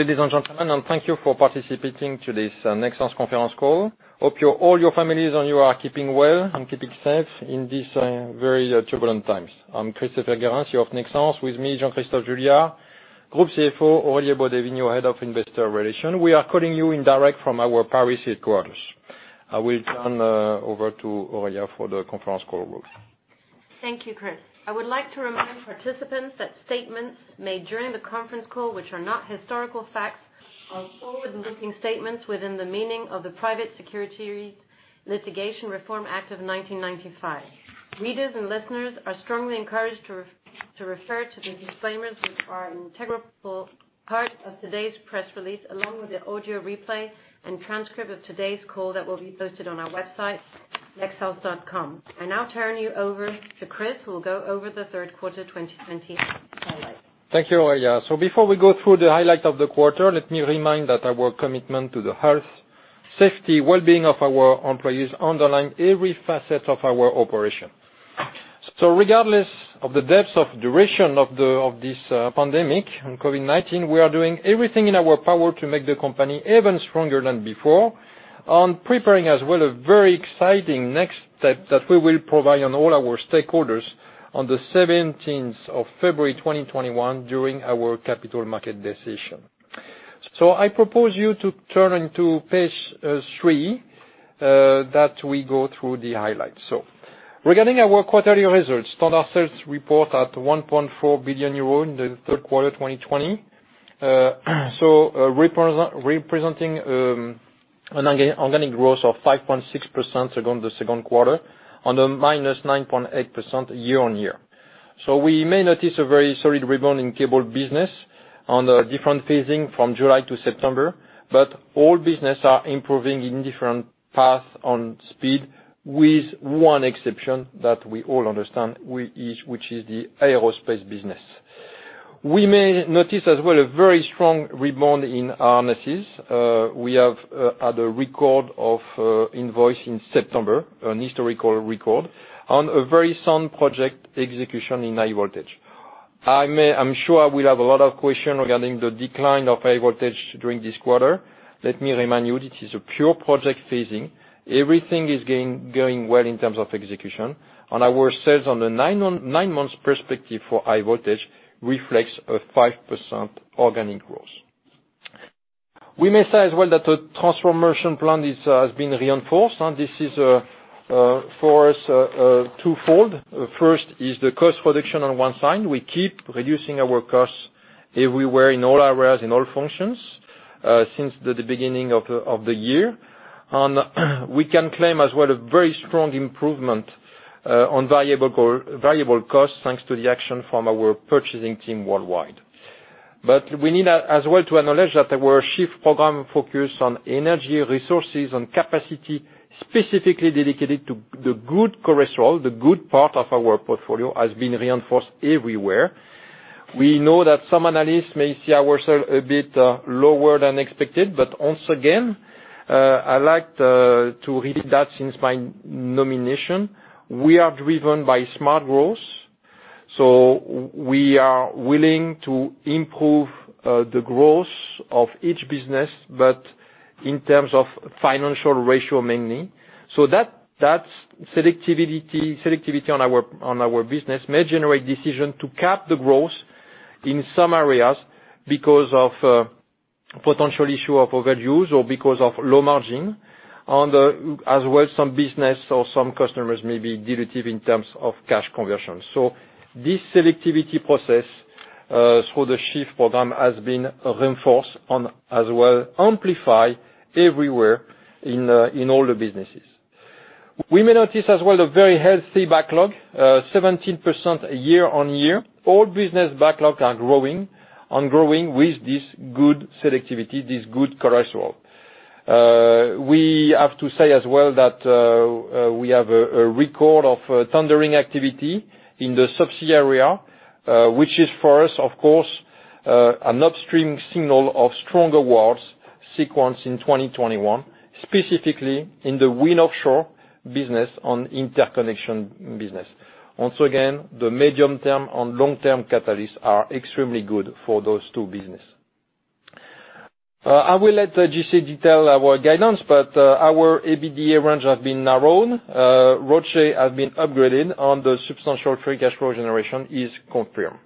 Ladies and gentlemen, thank you for participating to this Nexans conference call. Hope all your families and you are keeping well and keeping safe in these very turbulent times. I'm Christopher Guérin, CEO of Nexans. With me, Jean-Christophe Juillard, Group CFO, Aurélia Baudey-Vignaud, Head of Investor Relations. We are calling you in direct from our Paris headquarters. I will turn over to Audrey for the conference call rules. Thank you, Chris. I would like to remind participants that statements made during the conference call, which are not historical facts, are forward-looking statements within the meaning of the Private Securities Litigation Reform Act of 1995. Readers and listeners are strongly encouraged to refer to the disclaimers, which are an integral part of today's press release, along with the audio replay and transcript of today's call that will be posted on our website, Nexans.com. I now turn you over to Chris, who will go over the third quarter 2020 highlights. Thank you, Aurélia. Before we go through the highlights of the quarter, let me remind that our commitment to the health, safety, well-being of our employees underlies every facet of our operation. Regardless of the depth of duration of this pandemic and COVID-19, we are doing everything in our power to make the company even stronger than before and preparing as well a very exciting next step that we will provide to all our stakeholders on the 17th of February, 2021, during our Capital Markets Day. I propose you to turn to page three that we go through the highlights. Regarding our quarterly results, sales reported at 1.4 billion euro in the third quarter, 2020, so representing an organic growth of 5.6% against the second quarter on the -9.8% year-on-year. So we may notice a very solid rebound in cable business on different phasing from July to September, but all business are improving in different paths on speed, with one exception that we all understand, which is the aerospace business. We may notice as well a very strong rebound in harnesses. We have had a record of invoice in September, an historical record, on a very sound project execution in high voltage. I'm sure we'll have a lot of questions regarding the decline of high voltage during this quarter. Let me remind you, this is a pure project phasing. Everything is going well in terms of execution, and our sales on the nine-month perspective for high voltage reflects a 5% organic growth. We may say as well that the transformation plan has been reinforced. This is for us twofold. First is the cost reduction on one side. We keep reducing our costs everywhere, in all areas, in all functions, since the beginning of the year. We can claim as well a very strong improvement on variable costs thanks to the action from our purchasing team worldwide. We need as well to acknowledge that our SHIFT program focused on energy resources and capacity, specifically dedicated to the good cholesterol, the good part of our portfolio, has been reinforced everywhere. We know that some analysts may see ourselves a bit lower than expected. But once again, I'd like to repeat that since my nomination, we are driven by smart growth. So we are willing to improve the growth of each business, but in terms of financial ratio mainly. So that selectivity on our business may generate decisions to cap the growth in some areas because of potential issue of overuse or because of low margin, and as well some business or some customers may be diluted in terms of cash conversion. So this selectivity process through the SHIFT program has been reinforced and as well amplified everywhere in all the businesses. We may notice as well a very healthy backlog, 17% year-on-year. All business backlogs are growing and growing with this good selectivity, this good cholesterol. We have to say as well that we have a record of tendering activity in the subsea area, which is for us, of course, an upstream signal of stronger awards sequence in 2021, specifically in the wind offshore business and interconnection business. Once again, the medium-term and long-term catalysts are extremely good for those two businesses. I will let JC detail our guidance, but our EBITDA range has been narrowed. ROCE has been upgraded, and the substantial free cash flow generation is confirmed.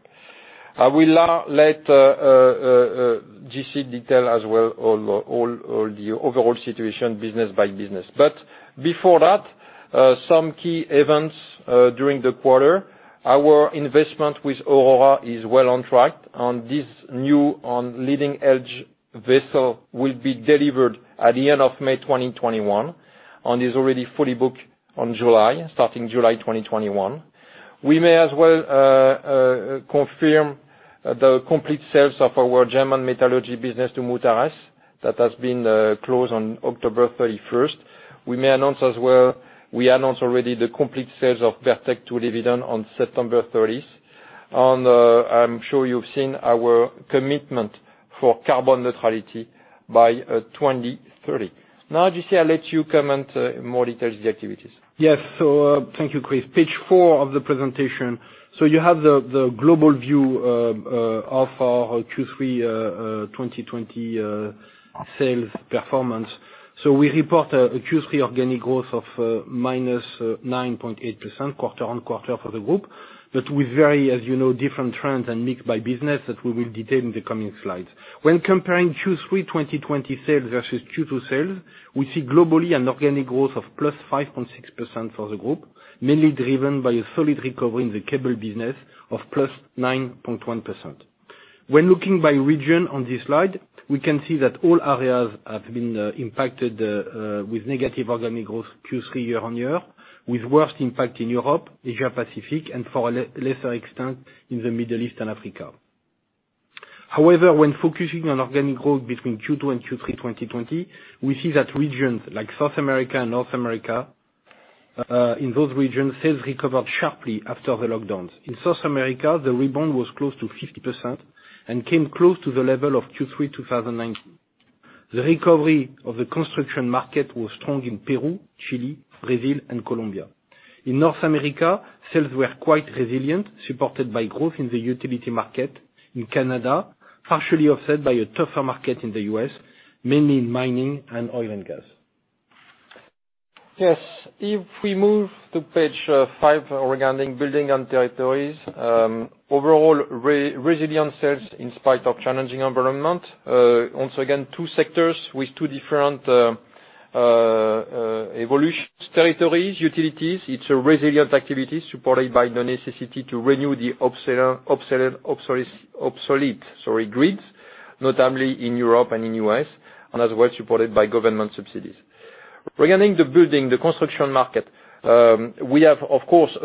I will let JC detail as well all the overall situation, business by business. But before that, some key events during the quarter. Our investment with Aurora is well on track, and this new leading-edge vessel will be delivered at the end of May, 2021, and is already fully booked on July, starting July 2021. We may as well confirm the complete sales of our German metallurgy business to Mutares that has been closed on October 31st. We may announce as well we announced already the complete sales of Berk-Tek to Leviton on September 30th. And I'm sure you've seen our commitment for carbon neutrality by 2030. Now, JC, I'll let you comment more details of the activities. Yes. So thank you, Chris. Page four of the presentation. So you have the global view of our Q3 2020 sales performance. So we report a Q3 organic growth of -9.8%, quarter-on-quarter for the group, but with very, as you know, different trends and mix by business that we will detail in the coming slides. When comparing Q3 2020 sales versus Q2 sales, we see globally an organic growth of +5.6% for the group, mainly driven by a solid recovery in the cable business of +9.1%. When looking by region on this slide, we can see that all areas have been impacted with negative organic growth Q3 year-on-year, with worst impact in Europe, Asia Pacific, and for a lesser extent in the Middle East and Africa. However, when focusing on organic growth between Q2 and Q3 2020, we see that regions like South America and North America, in those regions, sales recovered sharply after the lockdowns. In South America, the rebound was close to 50% and came close to the level of Q3 2019. The recovery of the construction market was strong in Peru, Chile, Brazil, and Colombia. In North America, sales were quite resilient, supported by growth in the utility market, in Canada, partially offset by a tougher market in the U.S., mainly in mining and oil and gas. Yes. If we move to page five regarding building and territories. Overall, resilient sales in spite of challenging environment. Once again, two sectors with two different evolutions. Territories, utilities, it's a resilient activity supported by the necessity to renew the obsolete grids, not only in Europe and in the U.S., and as well supported by government subsidies. Regarding the building, the construction market, we have, of course,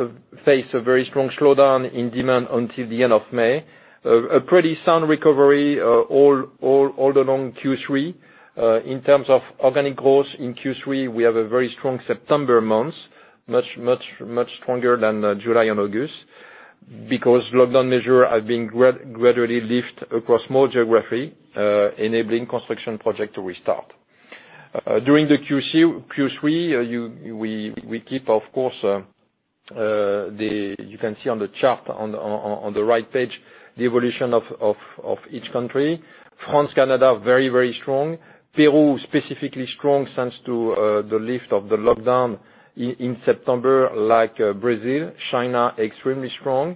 faced a very strong slowdown in demand until the end of May. A pretty sound recovery all along Q3. In terms of organic growth in Q3, we have a very strong September months, much, much, much stronger than July and August, because lockdown measures have been gradually lifted across more geography, enabling construction projects to restart. During the Q3, we keep, of course you can see on the chart on the right page, the evolution of each country. France, Canada, very, very strong. Peru, specifically strong thanks to the lift of the lockdown in September, like Brazil. China, extremely strong.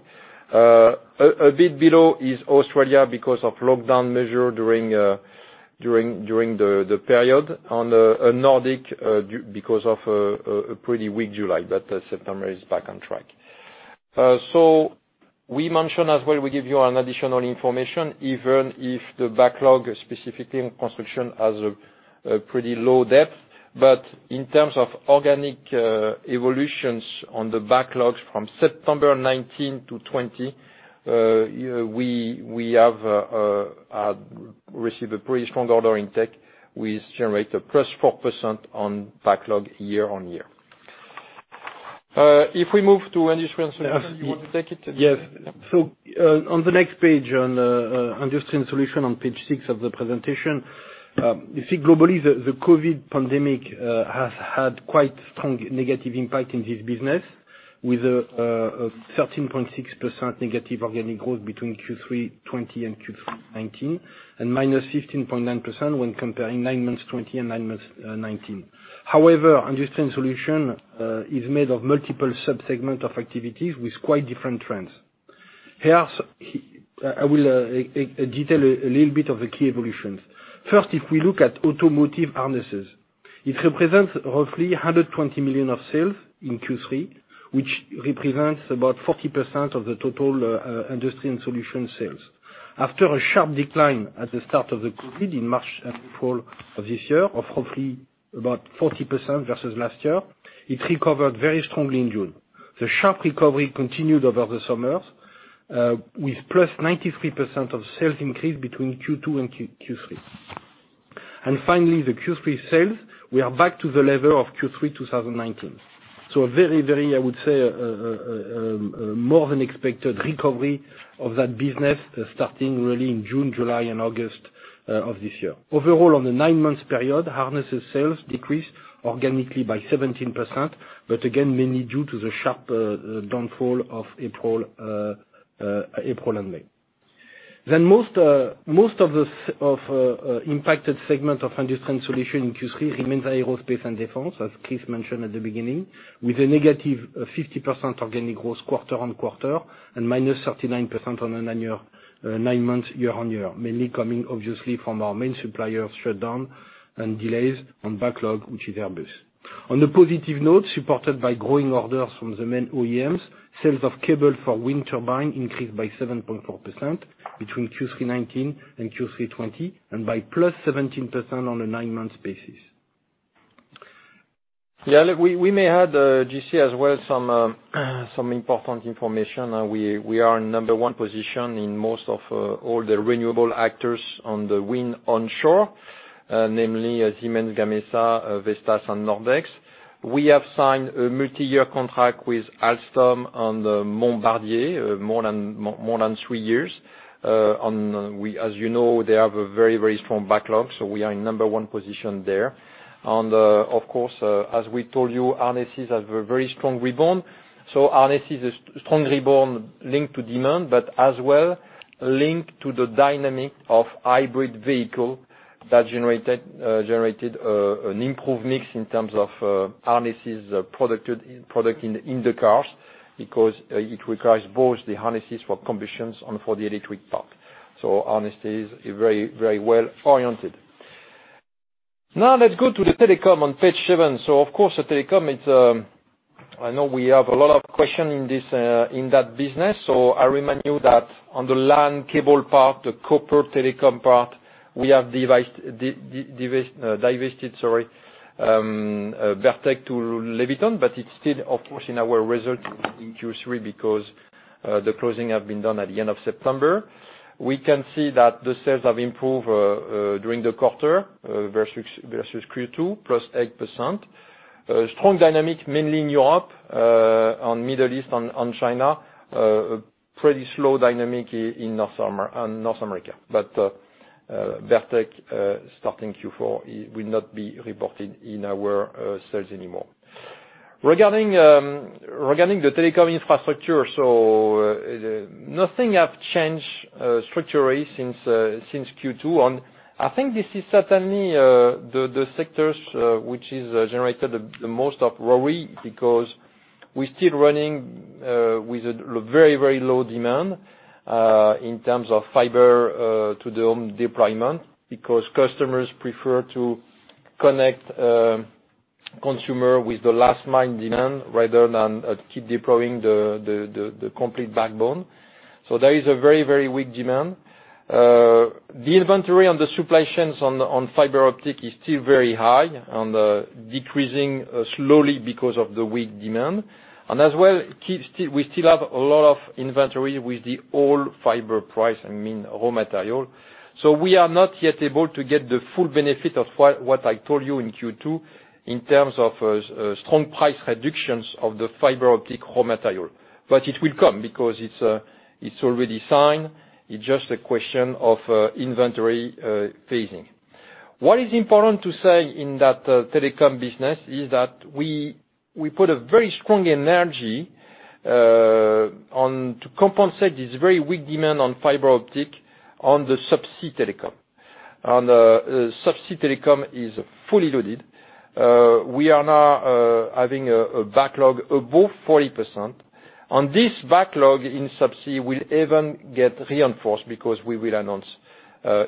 A bit below is Australia because of lockdown measures during the period, and Nordic because of a pretty weak July, but September is back on track. So we mentioned as well, we give you an additional information, even if the backlog, specifically in construction, has a pretty low depth. But in terms of organic evolutions on the backlogs from September 19th to 20th, we have received a pretty strong order intake. We generate a +4% on backlog year-on-year. If we move to industry and solution, you want to take it? Yes. So on the next page, on industry and solution, on page six of the presentation, you see globally the COVID pandemic has had quite strong negative impact in this business, with a 13.6% negative organic growth between Q3 2020 and Q3 2019, and -15.9% when comparing nine months 2020 and nine months 2019. However, industry and solution is made of multiple subsegments of activities with quite different trends. Here, I will detail a little bit of the key evolutions. First, if we look at automotive harnesses, it represents roughly 120 million of sales in Q3, which represents about 40% of the total industry and solution sales. After a sharp decline at the start of the COVID in March and April of this year, of roughly about 40% versus last year, it recovered very strongly in June. The sharp recovery continued over the summers, with +93% of sales increase between Q2 and Q3. Finally, the Q3 sales, we are back to the level of Q3 2019. A very, very, I would say, more than expected recovery of that business starting really in June, July, and August of this year. Overall, on the nine-month period, harnesses sales decreased organically by 17%, but again, mainly due to the sharp downfall of April and May. Most of the impacted segment of industry and solution in Q3 remains aerospace and defense, as Chris mentioned at the beginning, with a -50% organic growth quarter-on-quarter and -39% on a nine-month year-on-year, mainly coming, obviously, from our main supplier shutdown and delays on backlog, which is Airbus. On a positive note, supported by growing orders from the main OEMs, sales of cable for wind turbines increased by 7.4% between Q3 2019 and Q3 2020, and by +17% on a nine-month basis. Yeah. Look, we may add, JC, as well some important information. We are in number one position in most of all the renewable actors on the wind onshore, namely Siemens Gamesa, Vestas, and Nordex. We have signed a multi-year contract with Alstom and Bombardier of more than three years. As you know, they have a very, very strong backlog, so we are in number one position there. And of course, as we told you, harnesses have a very strong rebound. So harnesses are strong rebound linked to demand, but as well linked to the dynamic of hybrid vehicle that generated an improved mix in terms of harnesses produced in the cars because it requires both the harnesses for combustion and for the electric part. So harnesses are very, very well oriented. Now, let's go to the telecom on page seven. So of course, the telecom, it's I know we have a lot of questions in that business. So I remind you that on the LAN cable part, the copper telecom part, we have divested, sorry, Berk-Tek to Leviton, but it's still, of course, in our results in Q3 because the closing has been done at the end of September. We can see that the sales have improved during the quarter versus Q2, +8%. Strong dynamic, mainly in Europe, in the Middle East, in China, pretty slow dynamic in North America. But Berk-Tek starting Q4 will not be reported in our sales anymore. Regarding the telecom infrastructure, so nothing has changed structurally since Q2. And I think this is certainly the sectors which generated the most of ROI because we're still running with a very, very low demand in terms of fiber-to-the-home deployment because customers prefer to connect consumer with the last mile demand rather than keep deploying the complete backbone. So there is a very, very weak demand. The inventory and the supply chains on fiber optic is still very high and decreasing slowly because of the weak demand. And as well, we still have a lot of inventory with the whole fiber price, I mean, raw material. So we are not yet able to get the full benefit of what I told you in Q2 in terms of strong price reductions of the fiber optic raw material. But it will come because it's already signed. It's just a question of inventory phasing. What is important to say in that telecom business is that we put a very strong energy to compensate this very weak demand on fiber optic on the subsea telecom. Subsea telecom is fully loaded. We are now having a backlog above 40%. This backlog in subsea will even get reinforced because we will announce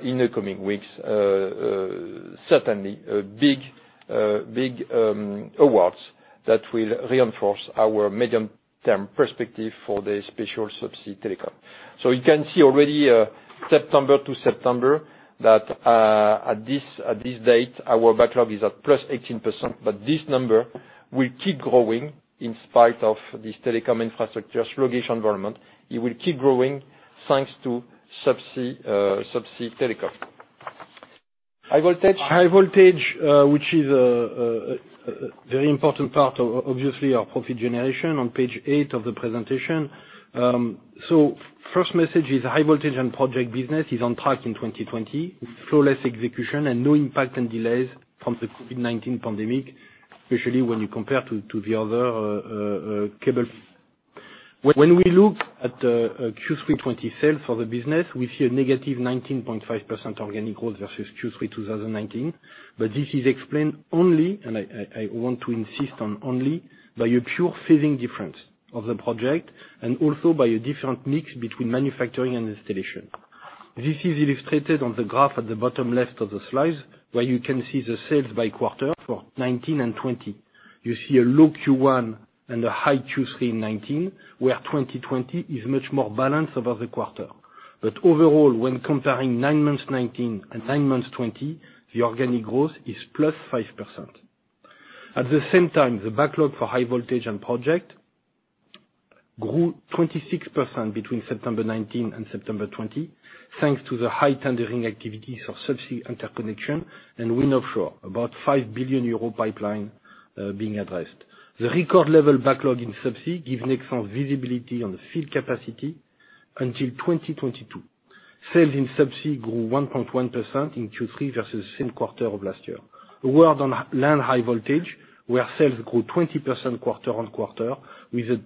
in the coming weeks, certainly, big awards that will reinforce our medium-term perspective for the special subsea telecom. You can see already September to September that at this date, our backlog is at +18%, but this number will keep growing in spite of this telecom infrastructure sluggish environment. It will keep growing thanks to subsea telecom. High voltage, which is a very important part, obviously, of profit generation on page eight of the presentation. So first message is High Voltage and Projects business is on track in 2020, flawless execution, and no impact and delays from the COVID-19 pandemic, especially when you compare to the other cable. When we look at Q3 2020 sales for the business, we see a negative 19.5% organic growth versus Q3 2019, but this is explained only, and I want to insist on only, by a pure phasing difference of the project and also by a different mix between manufacturing and installation. This is illustrated on the graph at the bottom left of the slide, where you can see the sales by quarter for 2019 and 2020. You see a low Q1 and a high Q3 in 2019, where 2020 is much more balanced over the quarter. Overall, when comparing nine months 2019 and nine months 2020, the organic growth is +5%. At the same time, the backlog for High Voltage and Projects grew 26% between September 2019 and September 2020 thanks to the high tendering activities for subsea interconnection and wind offshore, about 5 billion euro pipeline being addressed. The record level backlog in subsea gives Nexans visibility on the field capacity until 2022. Sales in subsea grew 1.1% in Q3 versus the same quarter of last year. A word on land high-voltage, where sales grew 20% quarter-on-quarter thanks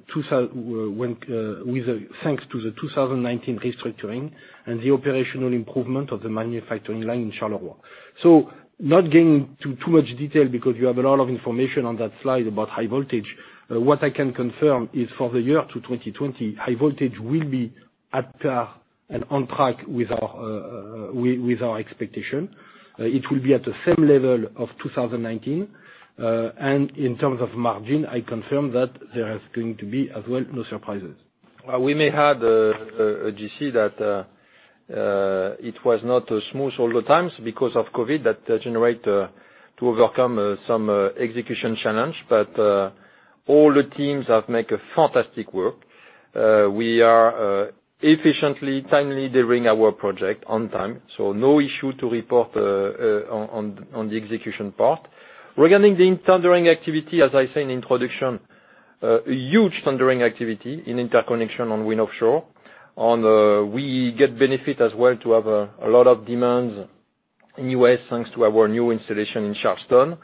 to the 2019 restructuring and the operational improvement of the manufacturing line in Charleroi. Not going into too much detail because you have a lot of information on that slide about high voltage, what I can confirm is for the year 2020, high voltage will be at par and on track with our expectation. It will be at the same level of 2019. In terms of margin, I confirm that there is going to be as well no surprises. We may add, JC, that it was not smooth all the times because of COVID that generate to overcome some execution challenge, but all the teams have made fantastic work. We are efficiently, timely delivering our project on time, so no issue to report on the execution part. Regarding the tendering activity, as I said in the introduction, a huge tendering activity in interconnection on wind offshore. We get benefit as well to have a lot of demands in the U.S. thanks to our new installation in Charleston.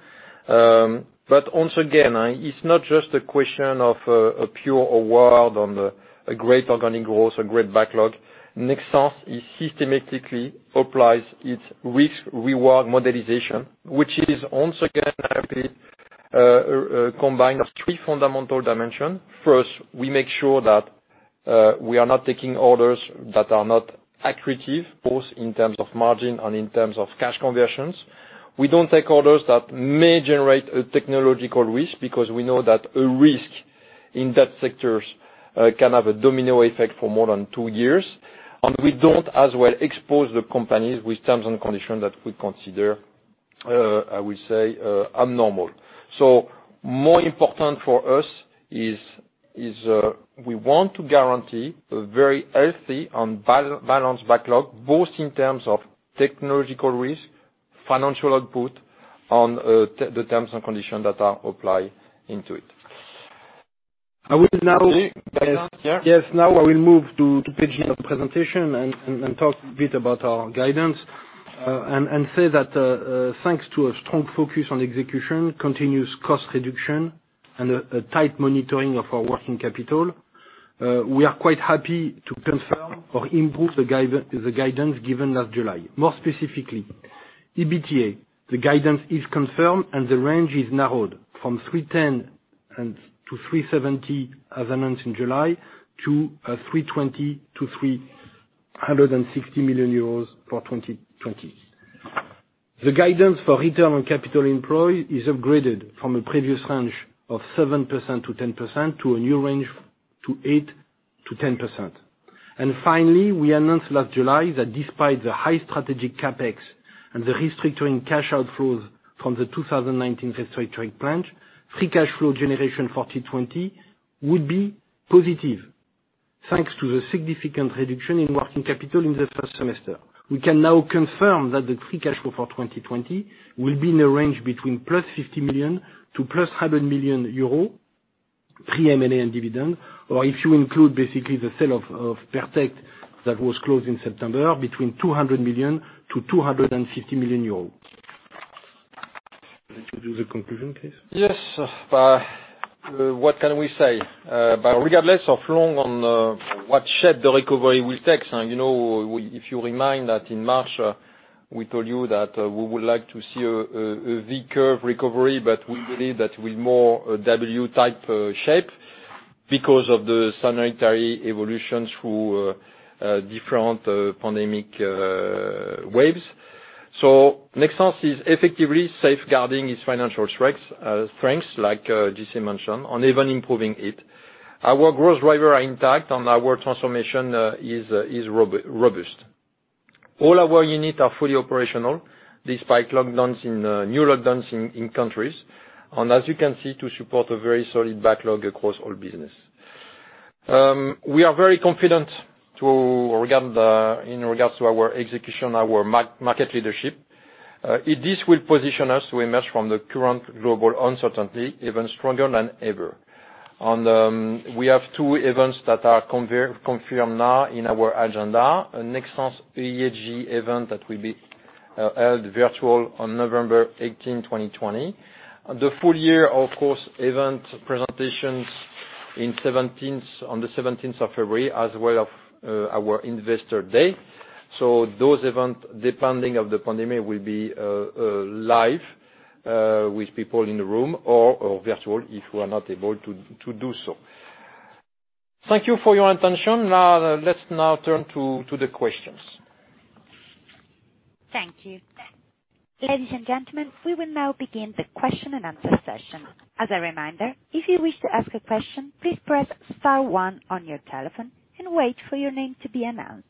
But once again, it's not just a question of a pure award on a great organic growth, a great backlog. Nexans systematically applies its risk-reward modelization, which is once again, I repeat, combined of three fundamental dimensions. First, we make sure that we are not taking orders that are not accretive, both in terms of margin and in terms of cash conversions. We don't take orders that may generate a technological risk because we know that a risk in that sector can have a domino effect for more than two years. We don't as well expose the companies with terms and conditions that we consider, I would say, abnormal. More important for us is we want to guarantee a very healthy and balanced backlog, both in terms of technological risk, financial output, and the terms and conditions that are applied into it. I will now. Yes. Now, I will move to page nine of the presentation and talk a bit about our guidance and say that thanks to a strong focus on execution, continuous cost reduction, and a tight monitoring of our working capital, we are quite happy to confirm or improve the guidance given last July. More specifically, EBITDA, the guidance is confirmed and the range is narrowed from 310 million-370 million as announced in July to 320 million-360 million euros for 2020. The guidance for return on capital employed is upgraded from a previous range of 7%-10% to a new range to 8%-10%. Finally, we announced last July that despite the high strategic CapEx and the restructuring cash outflows from the 2019 restructuring pledge, free cash flow generation for 2020 would be positive thanks to the significant reduction in working capital in the first semester. We can now confirm that the free cash flow for 2020 will be in a range between +50 million to +100 million euro, pre-M&A and dividend, or if you include basically the sale of Berk-Tek that was closed in September, between 200 million-250 million euros. Would you do the conclusion, please? Yes. What can we say? Regardless of how long or what shape the recovery will take, if you remember that in March, we told you that we would like to see a V-curve recovery, but we believe that it will be more W-type shape because of the sanitary evolution through different pandemic waves. So Nexans is effectively safeguarding its financial strengths, like JC mentioned, and even improving it. Our growth drivers are intact and our transformation is robust. All our units are fully operational despite new lockdowns in countries. And as you can see, to support a very solid backlog across all business. We are very confident in regards to our execution, our market leadership. This will position us to emerge from the current global uncertainty even stronger than ever. We have two events that are confirmed now in our agenda: a Nexans ESG event that will be held virtual on November 18, 2020, the full year, of course, event presentations on the 17th of February, as well as our Investor Day. So those events, depending on the pandemic, will be live with people in the room or virtual if we are not able to do so. Thank you for your attention. Now, let's turn to the questions. Thank you. Ladies and gentlemen, we will now begin the question-and-answer session. As a reminder, if you wish to ask a question, please press star one on your telephone and wait for your name to be announced.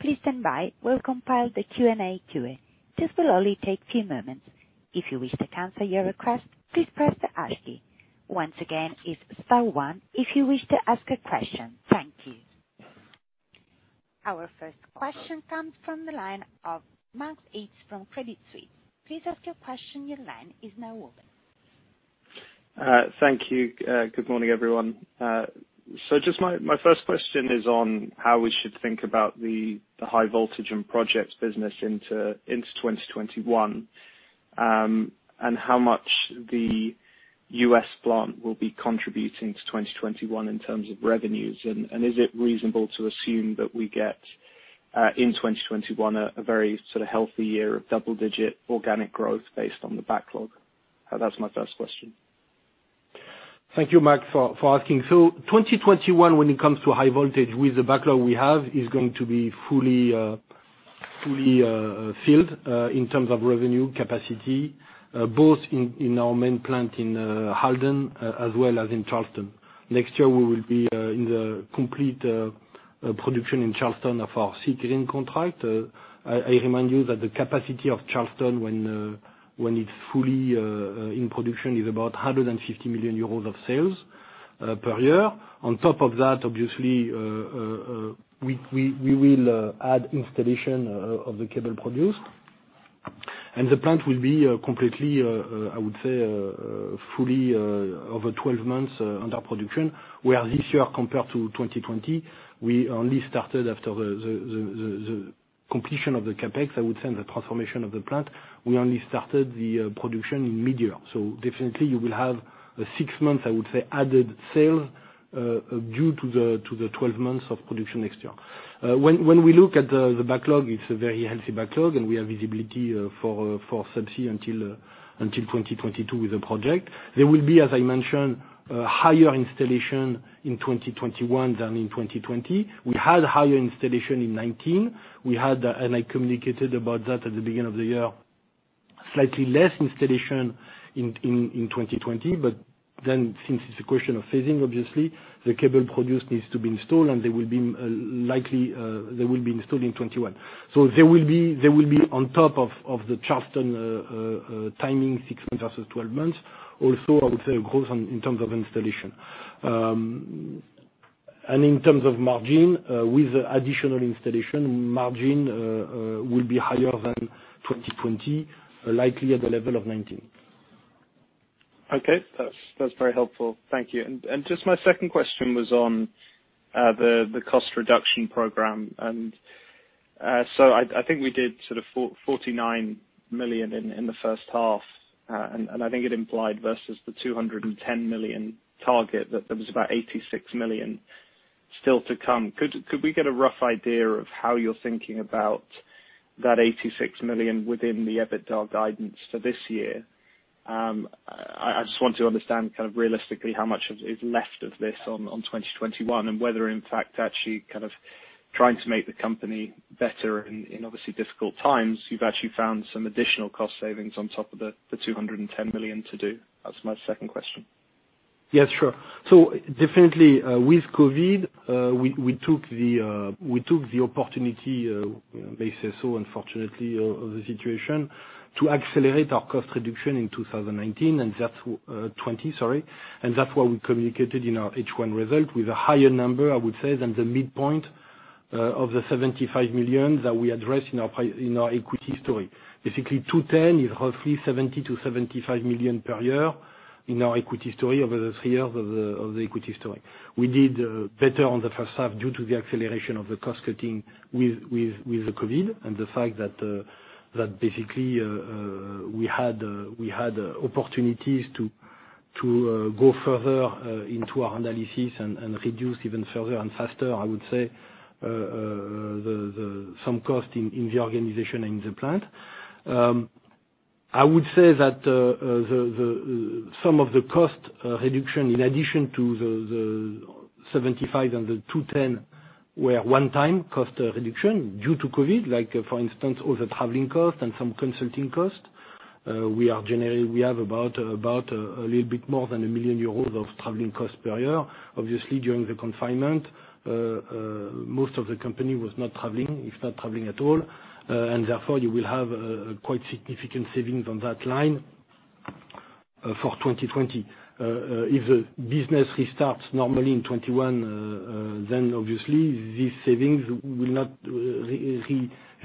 Please stand by. We'll compile the Q&A queue. This will only take a few moments. If you wish to cancel your request, please press the asterisk. Once again, it's star one if you wish to ask a question. Thank you. Our first question comes from the line of Max Yates from Credit Suisse. Please ask your question. Your line is now open. Thank you. Good morning, everyone. So just my first question is on how we should think about the high voltage and project business into 2021 and how much the U.S. plant will be contributing to 2021 in terms of revenues, and is it reasonable to assume that we get in 2021 a very sort of healthy year of double-digit organic growth based on the backlog? That's my first question. Thank you, Max, for asking. So 2021, when it comes to high voltage with the backlog we have, is going to be fully filled in terms of revenue capacity, both in our main plant in Halden as well as in Charleston. Next year, we will be in the complete production in Charleston of our securing contract. I remind you that the capacity of Charleston when it's fully in production is about 150 million euros of sales per year. On top of that, obviously, we will add installation of the cable produced. And the plant will be completely, I would say, fully over 12 months under production, where this year, compared to 2020, we only started after the completion of the CapEx, I would say, and the transformation of the plant, we only started the production in mid-year. So definitely, you will have six months, I would say, added sales due to the 12 months of production next year. When we look at the backlog, it's a very healthy backlog, and we have visibility for subsea until 2022 with the project. There will be, as I mentioned, higher installation in 2021 than in 2020. We had higher installation in 2019. We had, and I communicated about that at the beginning of the year, slightly less installation in 2020. But then, since it's a question of phasing, obviously, the cable produced needs to be installed, and they will be likely they will be installed in 2021. So there will be on top of the Charleston timing, six months versus 12 months, also, I would say, a growth in terms of installation. In terms of margin, with additional installation, margin will be higher than 2020, likely at the level of 2019. Okay. That's very helpful. Thank you. Just my second question was on the cost reduction program. So I think we did sort of 49 million in the first half, and I think it implied versus the 210 million target that there was about 86 million still to come. Could we get a rough idea of how you're thinking about that 86 million within the EBITDA guidance for this year? I just want to understand kind of realistically how much is left of this on 2021 and whether, in fact, actually kind of trying to make the company better in obviously difficult times, you've actually found some additional cost savings on top of the 210 million to do? That's my second question. Yes, sure. So definitely, with COVID, we took the opportunity, may say so, unfortunately, of the situation to accelerate our cost reduction in 2019 and 2020, sorry. And that's why we communicated in our H1 result with a higher number, I would say, than the midpoint of the 75 million that we addressed in our equity history. Basically, 210 million is roughly 70-75 million per year in our equity history over the three years of the equity history. We did better on the first half due to the acceleration of the cost cutting with the COVID and the fact that basically we had opportunities to go further into our analysis and reduce even further and faster, I would say, some cost in the organization and in the plant. I would say that some of the cost reduction, in addition to the 75 million and the 210 million, were one-time cost reduction due to COVID, like for instance, all the traveling cost and some consulting cost. We have about a little bit more than 1 million euros of traveling cost per year. Obviously, during the confinement, most of the company was not traveling, if not traveling at all. And therefore, you will have quite significant savings on that line for 2020. If the business restarts normally in 2021, then obviously, these savings will not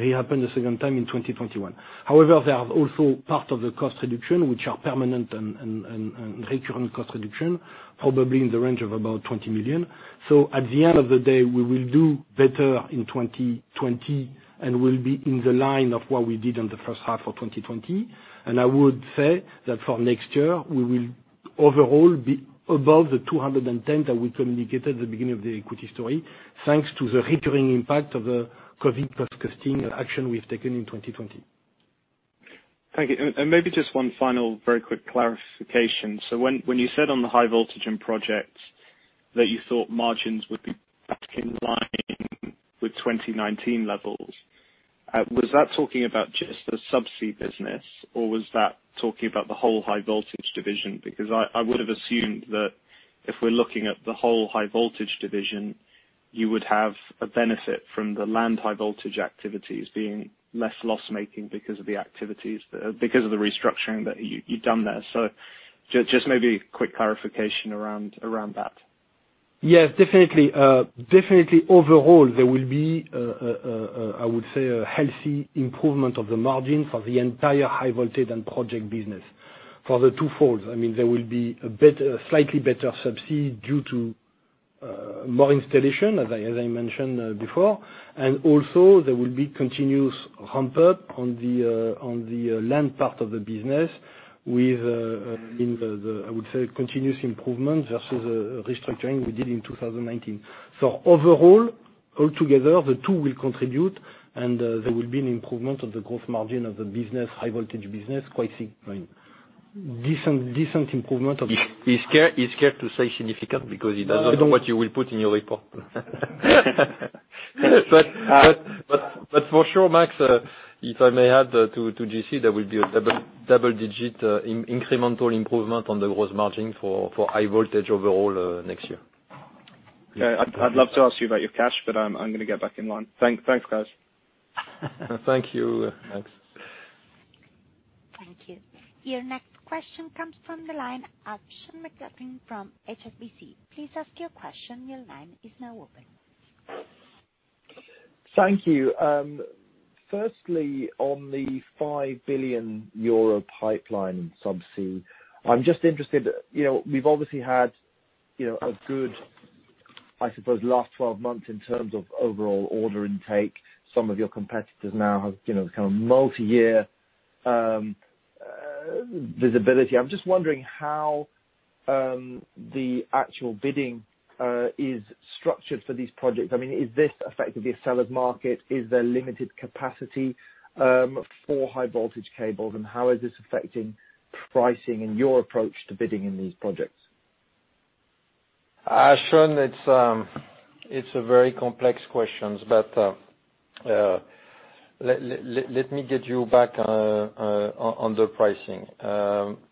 rehappen a second time in 2021. However, there are also part of the cost reduction, which are permanent and recurrent cost reduction, probably in the range of about 20 million. At the end of the day, we will do better in 2020 and will be in the line of what we did in the first half of 2020. I would say that for next year, we will overall be above the 210 million that we communicated at the beginning of the equity history thanks to the recurring impact of the COVID cost-cutting action we've taken in 2020. Thank you. Maybe just one final very quick clarification. When you said on the High Voltage and Projects that you thought margins would be back in line with 2019 levels, was that talking about just the subsea business, or was that talking about the whole high voltage division? Because I would have assumed that if we're looking at the whole high voltage division, you would have a benefit from the land high-voltage activities being less loss-making because of the restructuring that you've done there. Just maybe a quick clarification around that. Yes, definitely. Definitely, overall, there will be, I would say, a healthy improvement of the margin for the entire High Voltage and Projects business for the twofold. I mean, there will be a slightly better subsea due to more installation, as I mentioned before. And also, there will be continuous ramp-up on the land part of the business with, I would say, continuous improvement versus restructuring we did in 2019. So overall, altogether, the two will contribute, and there will be an improvement of the gross margin of the high voltage business quite significantly. Decent improvement of. It's scared to say significant because it doesn't know what you will put in your report. But for sure, Max, if I may add to JC, there will be a double-digit incremental improvement on the gross margin for high voltage overall next year. I'd love to ask you about your cash, but I'm going to get back in line. Thanks, guys. Thank you, Max. Thank you. Your next question comes from the line of Sean McLoughlin from HSBC. Please ask your question. Your line is now open. Thank you. Firstly, on the 5 billion euro pipeline and subsea, I'm just interested we've obviously had a good, I suppose, last 12 months in terms of overall order intake. Some of your competitors now have kind of multi-year visibility. I'm just wondering how the actual bidding is structured for these projects. I mean, is this effectively a seller's market? Is there limited capacity for high-voltage cables, and how is this affecting pricing and your approach to bidding in these projects? Sean, it's a very complex question, but let me get you back on the pricing.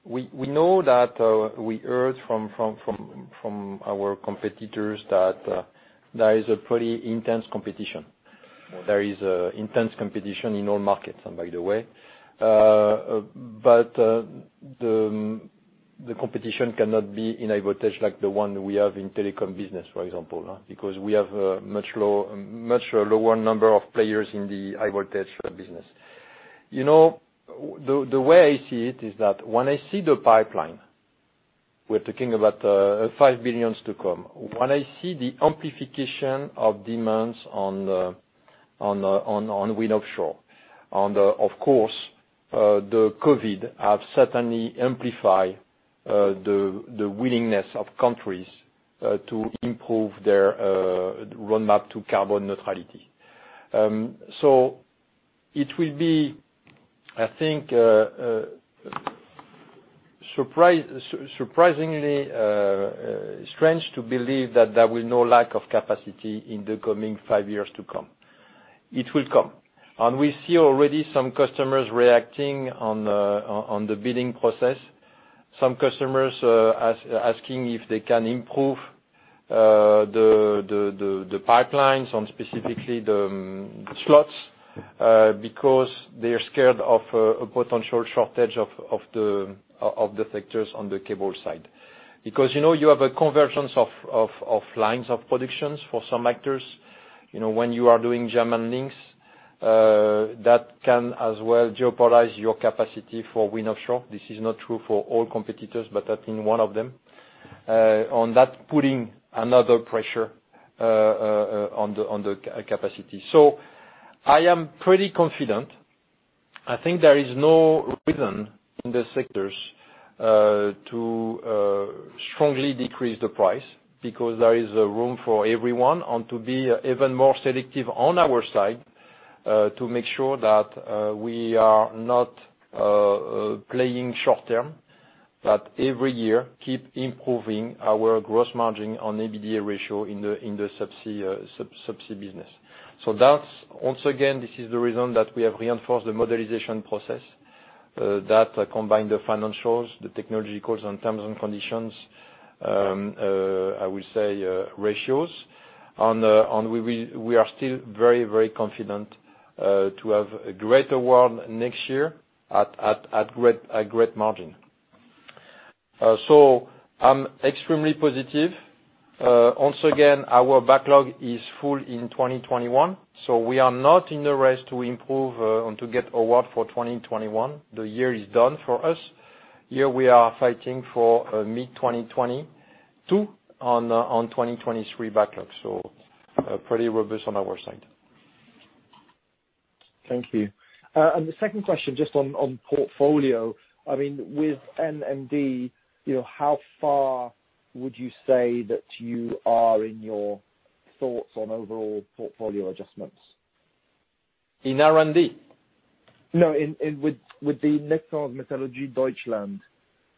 We know that we heard from our competitors that there is a pretty intense competition. There is intense competition in all markets, by the way. But the competition cannot be in high voltage like the one we have in telecom business, for example, because we have a much lower number of players in the high voltage business. The way I see it is that when I see the pipeline we're talking about 5 billion to come. When I see the amplification of demands on wind offshore, of course, the COVID has certainly amplified the willingness of countries to improve their roadmap to carbon neutrality. So it will be, I think, surprisingly strange to believe that there will no lack of capacity in the coming five years to come. It will come. We see already some customers reacting on the bidding process, some customers asking if they can improve the pipelines and specifically the slots because they are scared of a potential shortage of the sectors on the cable side. Because you have a convergence of lines of productions for some actors. When you are doing German links, that can as well jeopardize your capacity for wind offshore. This is not true for all competitors, but that's in one of them, and that's putting another pressure on the capacity. So I am pretty confident. I think there is no reason in the sectors to strongly decrease the price because there is room for everyone and to be even more selective on our side to make sure that we are not playing short-term, that every year, keep improving our gross margin and EBITDA ratio in the subsea business. So once again, this is the reason that we have reinforced the modeling process that combined the financials, the technologicals, and terms and conditions, I would say, ratios. And we are still very, very confident to have a greater volume next year at greater margin. So I'm extremely positive. Once again, our backlog is full in 2021. So we are not in the race to improve and to get awards for 2021. The year is done for us. Here, we are fighting for mid-2022 and 2023 backlog. So pretty robust on our side. Thank you. The second question, just on portfolio. I mean, with NMD, how far would you say that you are in your thoughts on overall portfolio adjustments? In R&D? No, with the Nexans Metallurgie Deutschland,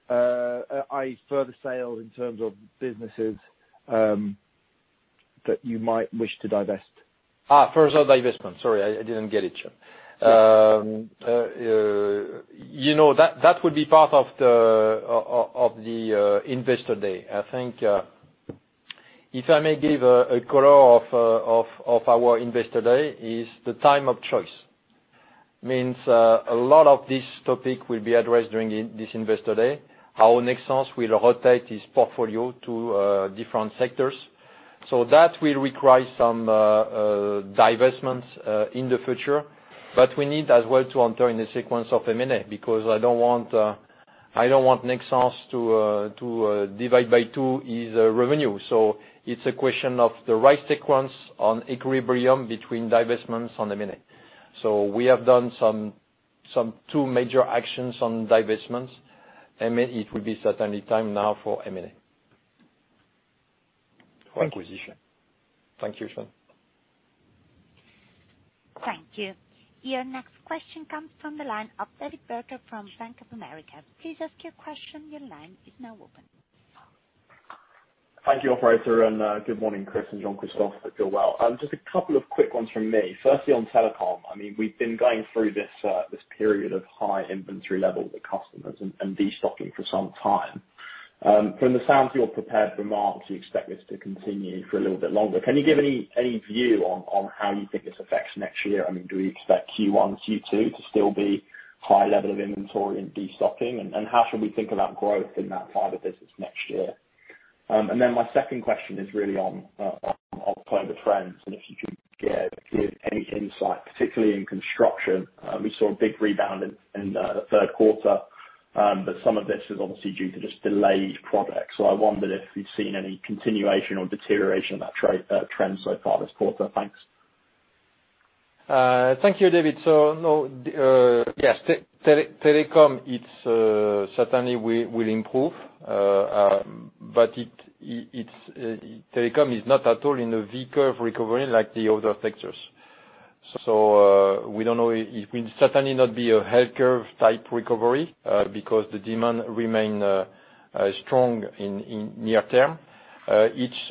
I further sales in terms of businesses that you might wish to divest. Further divestment. Sorry, I didn't get it, Sean. That would be part of the Investor Day. I think if I may give a color of our Investor Day is the time of choice. It means a lot of this topic will be addressed during this Investor Day, how Nexans will rotate its portfolio to different sectors. So that will require some divestments in the future. But we need as well to enter in a sequence of M&A because I don't want Nexans to divide by two its revenue. So it's a question of the right sequence on equilibrium between divestments and M&A. So we have done two major actions on divestments, and it will be certainly time now for M&A. For acquisition. Thank you, Sean. Thank you. Your next question comes from the line of David Barker from Bank of America. Please ask your question. Your line is now open. Thank you, operator, and good morning, Chris and Jean-Christophe, if you're well. Just a couple of quick ones from me. Firstly, on telecom. I mean, we've been going through this period of high inventory levels at customers and destocking for some time. From the sounds of your prepared remarks, you expect this to continue for a little bit longer. Can you give any view on how you think this affects next year? I mean, do we expect Q1, Q2 to still be high level of inventory and destocking? And how should we think about growth in that part of business next year? And then my second question is really on climate trends and if you can give any insight, particularly in construction. We saw a big rebound in the third quarter, but some of this is obviously due to just delayed projects. I wondered if you've seen any continuation or deterioration of that trend so far this quarter. Thanks. Thank you, David. So yes, telecom, certainly, will improve. But telecom is not at all in a V-curve recovery like the other sectors. So we don't know. It will certainly not be a health-curve type recovery because the demand remains strong in near term.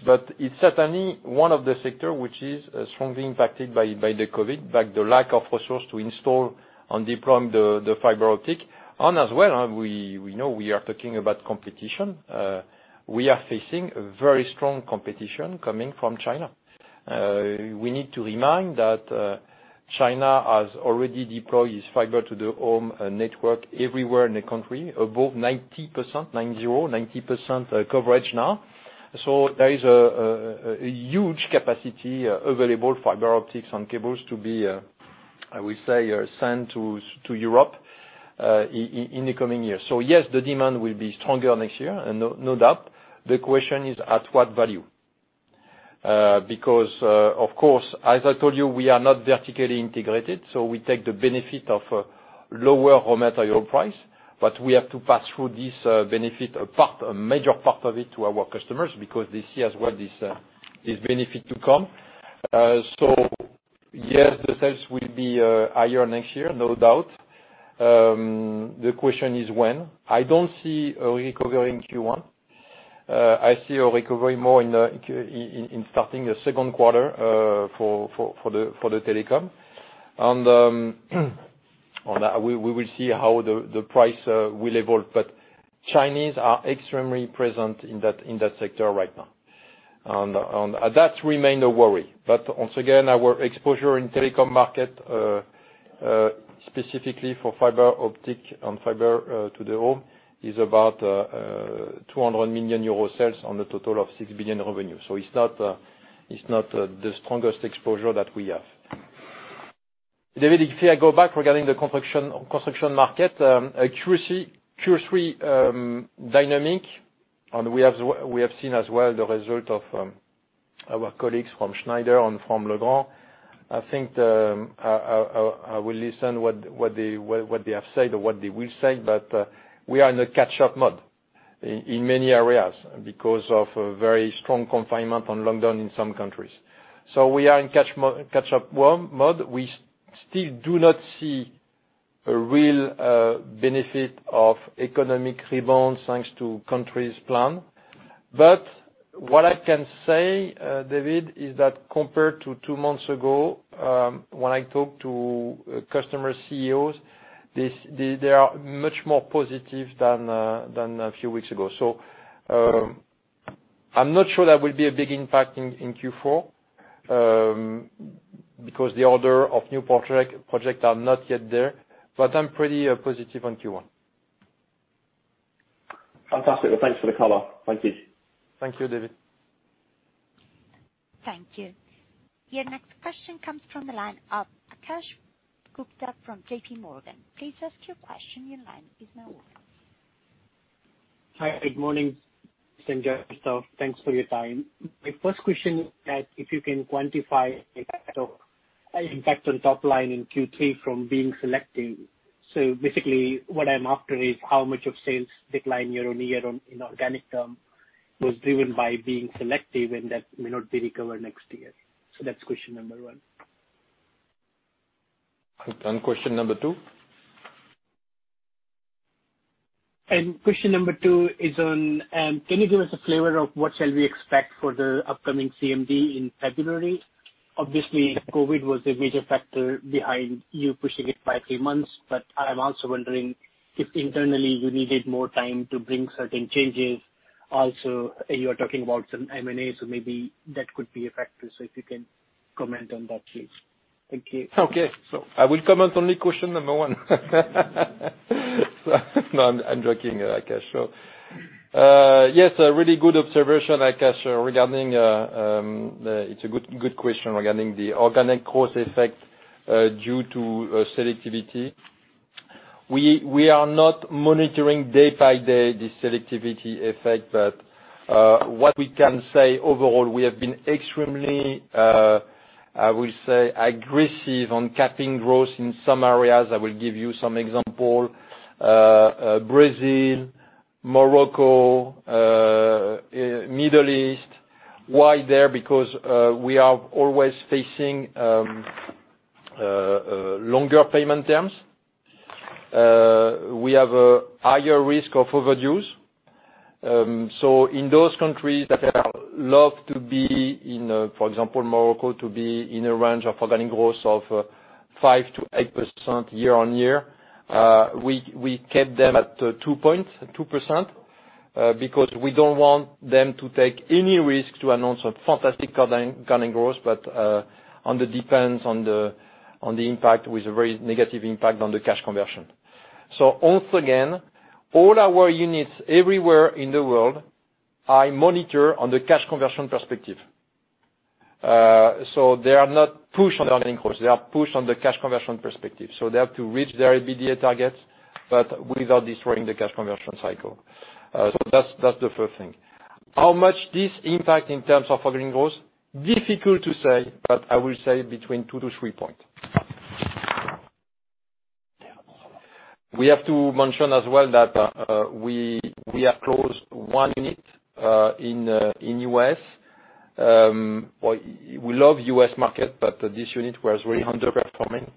But it's certainly one of the sectors which is strongly impacted by the COVID, the lack of resources to install and deploy the fiber optic. And as well, we know we are talking about competition. We are facing very strong competition coming from China. We need to remind that China has already deployed its fiber to the home network everywhere in the country, above 90%, 90% coverage now. So there is a huge capacity available, fiber optics and cables, to be, I would say, sent to Europe in the coming year. So yes, the demand will be stronger next year, no doubt. The question is at what value? Because, of course, as I told you, we are not vertically integrated, so we take the benefit of a lower raw material price. But we have to pass through this benefit, a major part of it, to our customers because they see as well this benefit to come. So yes, the sales will be higher next year, no doubt. The question is when. I don't see a recovery in Q1. I see a recovery more in starting the second quarter for the telecom. And we will see how the price will evolve. But Chinese are extremely present in that sector right now. And that remains a worry. But once again, our exposure in telecom market, specifically for fiber optic and fiber-to-the-home, is about 200 million euro sales on a total of 6 billion revenue. So it's not the strongest exposure that we have. David, if I go back regarding the construction market, Q3 dynamic, and we have seen as well the result of our colleagues from Schneider and from Legrand. I think I will listen to what they have said or what they will say, but we are in a catch-up mode in many areas because of very strong confinement and lockdown in some countries. So we are in catch-up mode. We still do not see a real benefit of economic rebound thanks to countries' plans. But what I can say, David, is that compared to two months ago, when I talked to customer CEOs, they are much more positive than a few weeks ago. So I'm not sure there will be a big impact in Q4 because the order of new projects are not yet there. But I'm pretty positive on Q1. Fantastic. Well, thanks for the color. Thank you. Thank you, David. Thank you. Your next question comes from the line of Akash Gupta from JPMorgan. Please ask your question. Your line is now open. Hi. Good morning, Jean-Christophe. Thanks for your time. My first question is, if you can quantify the impact on top line in Q3 from being selective. So basically, what I'm after is how much of sales decline year-on-year in organic terms was driven by being selective and that may not be recovered next year. So that's question number one. Question number two? Question number two is: can you give us a flavor of what shall we expect for the upcoming CMD in February? Obviously, COVID was a major factor behind you pushing it by three months, but I'm also wondering if internally you needed more time to bring certain changes. Also, you are talking about some M&A, so maybe that could be a factor. So if you can comment on that, please. Thank you. Okay. So I will comment on the question number one. No, I'm joking, Akash. So yes, a really good observation, Akash, regarding it's a good question regarding the organic growth effect due to selectivity. We are not monitoring day by day this selectivity effect, but what we can say overall, we have been extremely, I would say, aggressive on capping growth in some areas. I will give you some examples: Brazil, Morocco, Middle East. Why there? Because we are always facing longer payment terms. We have a higher risk of overdue. So in those countries that love to be in, for example, Morocco, to be in a range of organic growth of 5%-8% year-on-year, we kept them at two points or 2% because we don't want them to take any risk to announce a fantastic organic growth, but it depends on the impact with a very negative impact on the cash conversion. So once again, all our units everywhere in the world, I monitor on the cash conversion perspective. So they are not pushed on the organic growth. They are pushed on the cash conversion perspective. So they have to reach their EBITDA targets, but without destroying the cash conversion cycle. So that's the first thing. How much is this impact in terms of organic growth? Difficult to say, but I will say between two to three points. We have to mention as well that we have closed one unit in the U.S. We love U.S. markets, but this unit was very underperforming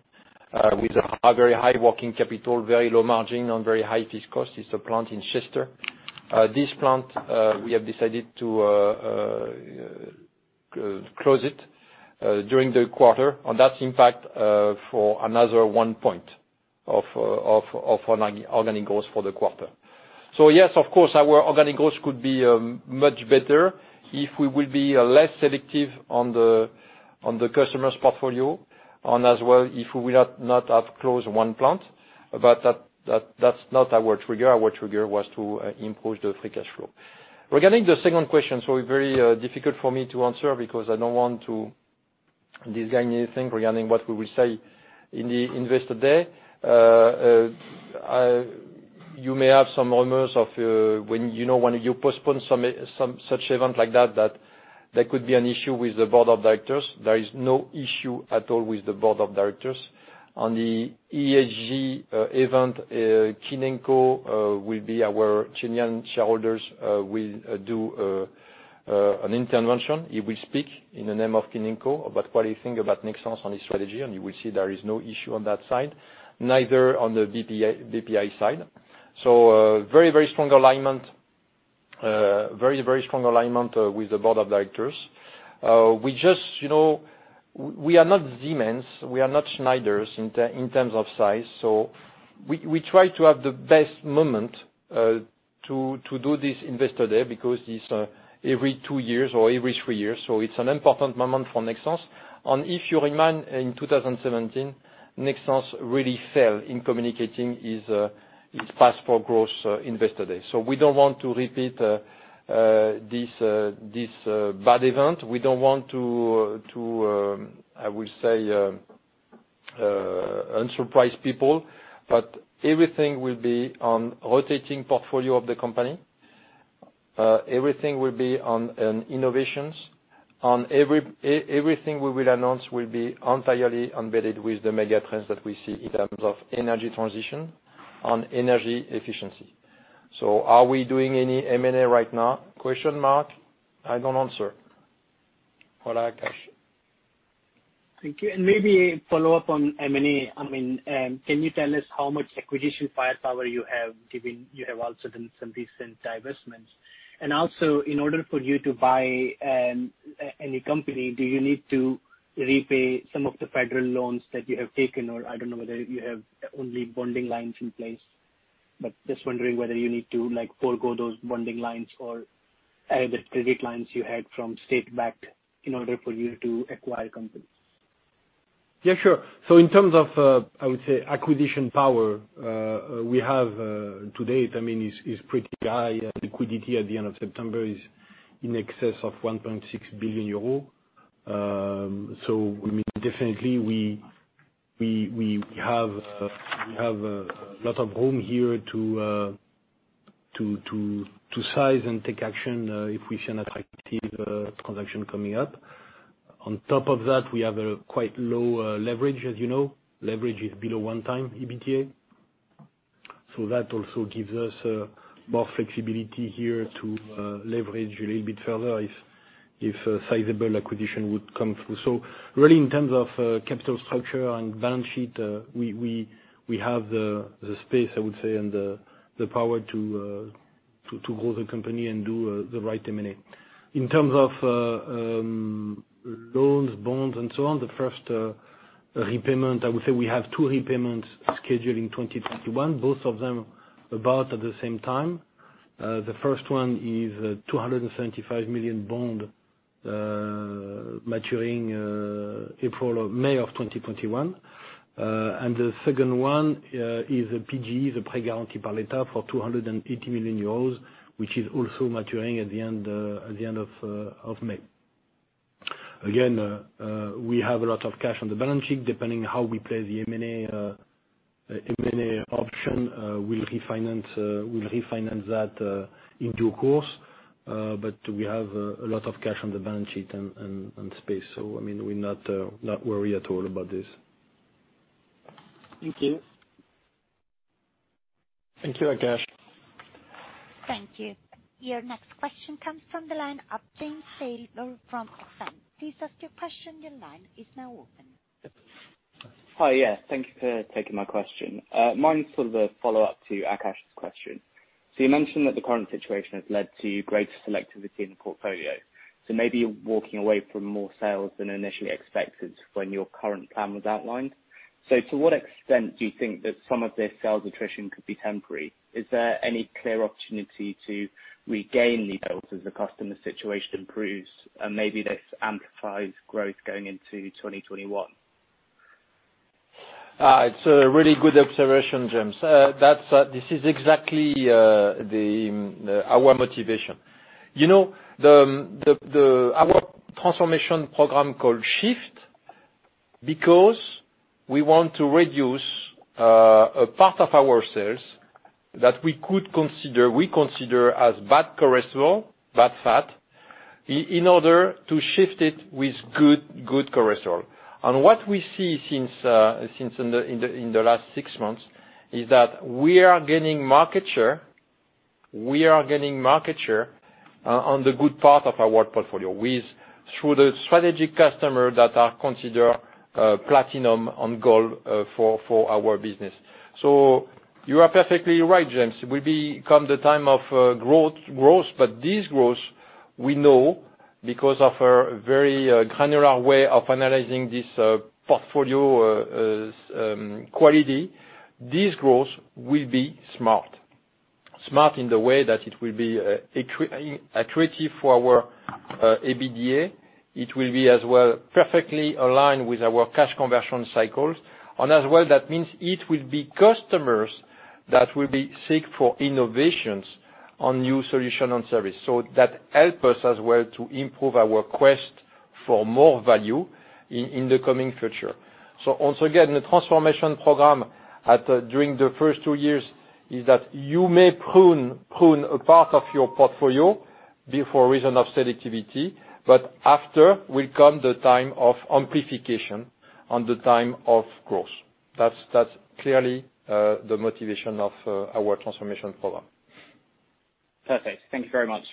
with a very high working capital, very low margin, and very high fixed cost. It's a plant in Chester. This plant, we have decided to close it during the quarter, and that's impact for another 1 point of organic growth for the quarter. So yes, of course, our organic growth could be much better if we will be less selective on the customer's portfolio and as well if we will not have closed one plant. But that's not our trigger. Our trigger was to improve the free cash flow. Regarding the second question, so very difficult for me to answer because I don't want to disguise anything regarding what we will say in the Investor Day. You may have some rumors of when you postpone such event like that, that there could be an issue with the board of directors. There is no issue at all with the Board of Directors. On the ESG event, Quiñenco will be our Chilean shareholders will do an intervention. He will speak in the name of Quiñenco about what he thinks about Nexans and its strategy, and you will see there is no issue on that side, neither on the BPI side. So very, very strong alignment, very, very strong alignment with the board of directors. We just we are not Siemens. We are not Schneiders in terms of size. So we try to have the best moment to do this Investor Day because it's every two years or every three years. So it's an important moment for Nexans. If you remember, in 2017, Nexans really failed in communicating its past growth Investor Day. So we don't want to repeat this bad event. We don't want to, I would say, unsurprise people. But everything will be on rotating portfolio of the company. Everything will be on innovations. Everything we will announce will be entirely embedded with the megatrends that we see in terms of energy transition and energy efficiency. So are we doing any M&A right now? I don't answer, Akash. Thank you. Maybe a follow-up on M&A. I mean, can you tell us how much acquisition firepower you have given you have also done some recent divestments? Also, in order for you to buy any company, do you need to repay some of the federal loans that you have taken? Or I don't know whether you have only bonding lines in place, but just wondering whether you need to forego those bonding lines or the credit lines you had from state-backed in order for you to acquire companies? Yeah, sure. So in terms of, I would say, acquisition power, we have today, it is pretty high. Liquidity at the end of September is in excess of 1.6 billion euro. So I mean, definitely, we have a lot of room here to size and take action if we see an attractive transaction coming up. On top of that, we have quite low leverage, as you know. Leverage is below 1x EBITDA. So that also gives us more flexibility here to leverage a little bit further if sizable acquisition would come through. So really, in terms of capital structure and balance sheet, we have the space, I would say, and the power to grow the company and do the right M&A. In terms of loans, bonds, and so on, the first repayment, I would say we have two repayments scheduled in 2021, both of them about at the same time. The first one is 275 million bond maturing May of 2021. The second one is a PGE, le prêt garanti par l'État, for 280 million euros, which is also maturing at the end of May. Again, we have a lot of cash on the balance sheet. Depending on how we play the M&A option, we'll refinance that in due course. But we have a lot of cash on the balance sheet and space. So I mean, we're not worried at all about this. Thank you. Thank you, Akash. Thank you. Your next question comes from the line James Taylor from [Accent]. Please ask your question. Your line is now open. Hi. Yes. Thank you for taking my question. Mine's sort of a follow-up to Akash's question. So you mentioned that the current situation has led to greater selectivity in the portfolio. So maybe you're walking away from more sales than initially expected when your current plan was outlined. So to what extent do you think that some of this sales attrition could be temporary? Is there any clear opportunity to regain these sales as the customer's situation improves, and maybe this amplifies growth going into 2021? It's a really good observation, James. This is exactly our motivation. Our transformation program called SHIFT because we want to reduce a part of our sales that we consider as bad cholesterol, bad fat, in order to shift it with good cholesterol. And what we see since in the last six months is that we are gaining market share. We are gaining market share on the good part of our portfolio through the strategic customers that are considered platinum and gold for our business. So you are perfectly right, James. It will come the time of growth, but this growth, we know because of a very granular way of analyzing this portfolio quality, this growth will be smart. Smart in the way that it will be accretive for our EBITDA. It will be as well perfectly aligned with our cash conversion cycles. As well, that means it will be customers that will be seeking for innovations on new solutions and services. That helps us as well to improve our quest for more value in the coming future. Once again, the transformation program during the first two years is that you may prune a part of your portfolio for reason of selectivity, but after will come the time of amplification and the time of growth. That's clearly the motivation of our transformation program. Perfect. Thank you very much.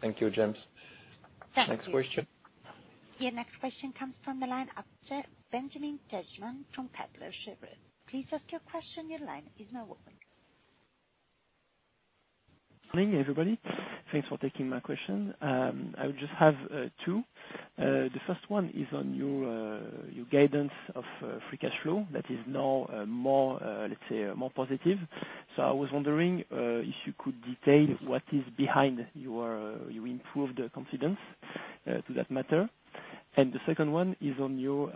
Thank you, James. Next question. Your next question comes from the line of Benjamin Terdjman from Kepler Cheuvreux. Please ask your question. Your line is now open. Good morning, everybody. Thanks for taking my question. I would just have two. The first one is on your guidance of free cash flow that is now more, let's say, more positive. So I was wondering if you could detail what is behind your improved confidence to that matter. The second one is on your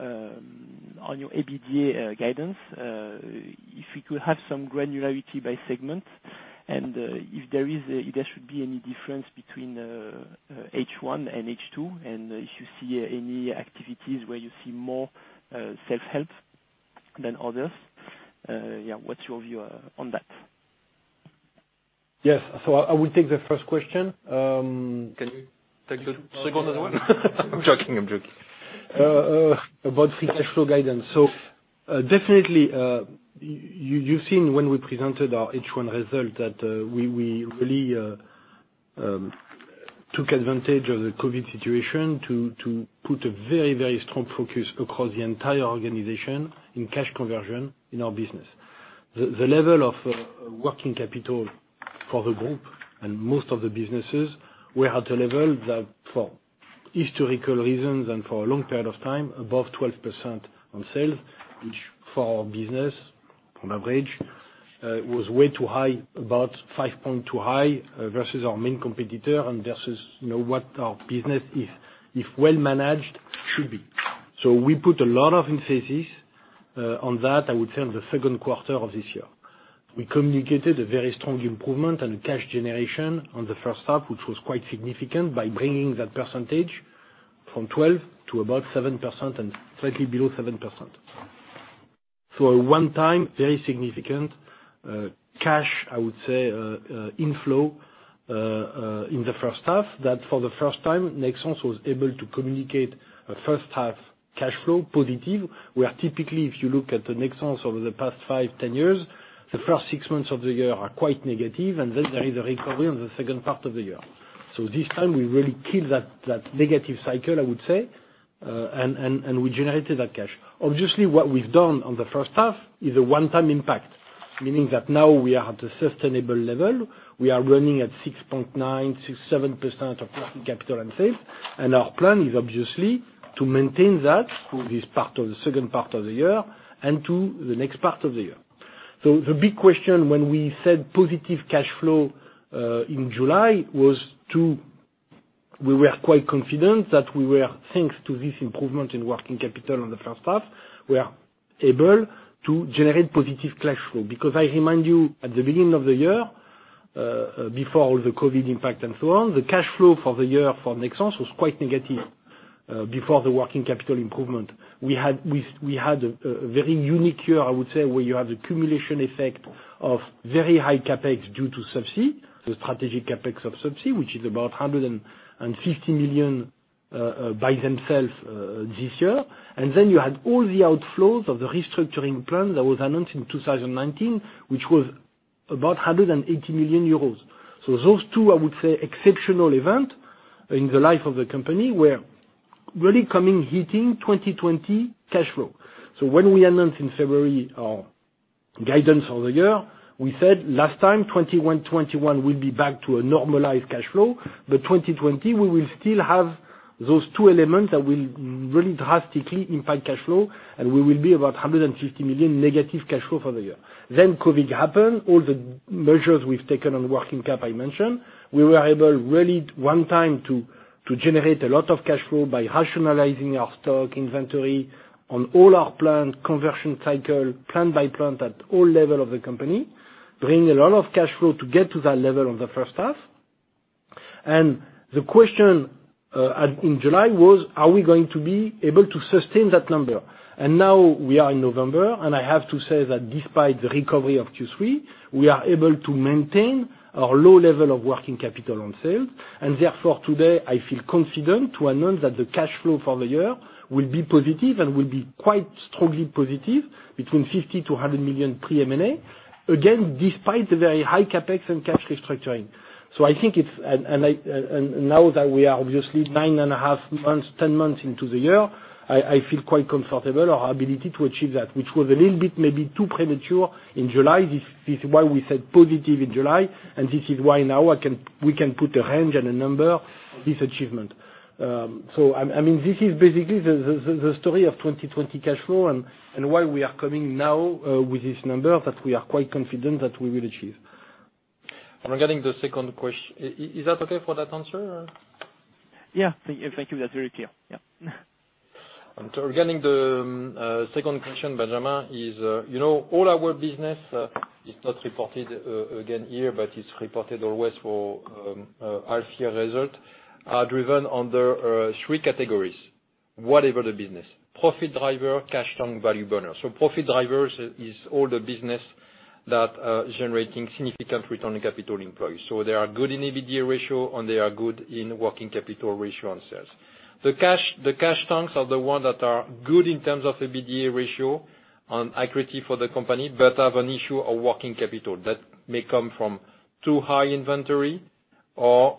EBITDA guidance. If we could have some granularity by segment and if there should be any difference between H1 and H2 and if you see any activities where you see more self-help than others? Yeah, what's your view on that? Yes. I will take the first question. Can you take the second as well? I'm joking. I'm joking. About free cash flow guidance. So definitely, you've seen when we presented our H1 result that we really took advantage of the COVID situation to put a very, very strong focus across the entire organization in cash conversion in our business. The level of working capital for the group and most of the businesses were at a level that for historical reasons and for a long period of time, above 12% on sales, which for our business, on average, was way too high, about 5.2 high versus our main competitor and versus what our business, if well managed, should be. So we put a lot of emphasis on that, I would say, in the second quarter of this year. We communicated a very strong improvement and a cash generation on the first half, which was quite significant by bringing that percentage from 12% to about 7% and slightly below 7%. So a one-time, very significant cash, I would say, inflow in the first half that for the first time, Nexans was able to communicate a first-half cash flow positive. Where typically, if you look at Nexans over the past five, 10 years, the first six months of the year are quite negative, and then there is a recovery on the second part of the year. So this time, we really killed that negative cycle, I would say, and we generated that cash. Obviously, what we've done on the first half is a one-time impact, meaning that now we are at a sustainable level. We are running at 6.9%, 6%, 7% of working capital and sales. And our plan is, obviously, to maintain that through this part of the second part of the year and through the next part of the year. So the big question when we said positive cash flow in July was to we were quite confident that we were, thanks to this improvement in working capital on the first half, were able to generate positive cash flow. Because I remind you, at the beginning of the year, before all the COVID impact and so on, the cash flow for the year for Nexans was quite negative before the working capital improvement. We had a very unique year, I would say, where you have the cumulative effect of very high CapEx due to subsea, the strategic CapEx of subsea, which is about 150 million by themselves this year. And then you had all the outflows of the restructuring plan that was announced in 2019, which was about 180 million euros. So those two, I would say, exceptional events in the life of the company were really coming to hit 2020 cash flow. So when we announced in February our guidance for the year, we said last time, 2021 will be back to a normalized cash flow, but 2020, we will still have those two elements that will really drastically impact cash flow, and we will be about 150 million negative cash flow for the year. Then COVID happened. All the measures we've taken on working cap, I mentioned, we were able really one time to generate a lot of cash flow by rationalizing our stock inventory on all our plant, conversion cycle, plant by plant at all level of the company, bringing a lot of cash flow to get to that level on the first half. The question in July was, are we going to be able to sustain that number? Now we are in November, and I have to say that despite the recovery of Q3, we are able to maintain our low level of working capital on sales. Therefore, today, I feel confident to announce that the cash flow for the year will be positive and will be quite strongly positive between 50 million-100 million pre-M&A, again, despite the very high CapEx and cash restructuring. I think it's, and now that we are obviously 9.5 months, 10 months into the year, I feel quite comfortable our ability to achieve that, which was a little bit maybe too premature in July. This is why we said positive in July, and this is why now we can put a range and a number of this achievement. I mean, this is basically the story of 2020 cash flow and why we are coming now with this number that we are quite confident that we will achieve. I'm regarding the second question. Is that okay for that answer, or? Yeah. Thank you. That's very clear. Yeah. Regarding the second question, Benjamin, not all our business is reported again here, but it's reported always for half-year results are driven under three categories, whatever the business: profit driver, cash-strong, value burner. Profit driver is all the business that is generating significant return on capital employed. So they are good in EBITDA ratio, and they are good in working capital ratio on sales. The cash-strongs are the ones that are good in terms of EBITDA ratio and accretive for the company but have an issue of working capital. That may come from too high inventory or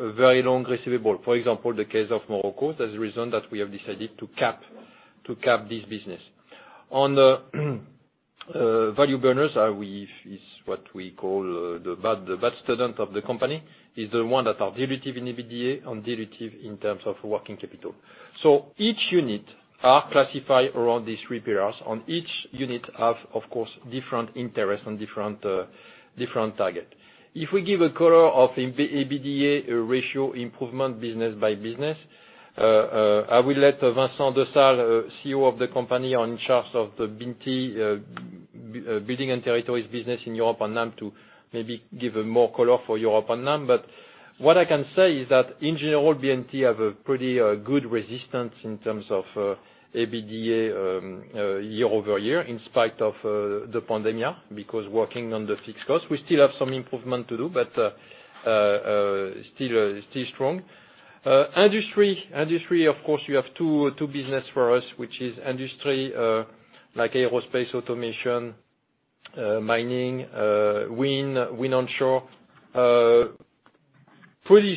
a very long receivable. For example, the case of Morocco, that's the reason that we have decided to cap this business. On the value burners, what we call the bad students of the company are the ones that are dilutive in EBITDA and dilutive in terms of working capital. So each unit is classified around these three pillars. On each unit, have, of course, different interests and different targets. If we give a color of EBITDA ratio improvement business by business, I will let Vincent Dessale, COO of the company in charge of the B&T, Building and Territories business in Europe and NAM, to maybe give more color for Europe and NAM. But what I can say is that, in general, B&T has a pretty good resistance in terms of EBITDA year-over-year in spite of the pandemic because working on the fixed cost. We still have some improvement to do, but still strong. Industry. Industry, of course, you have two businesses for us, which is industry like aerospace automation, mining, wind onshore. Pretty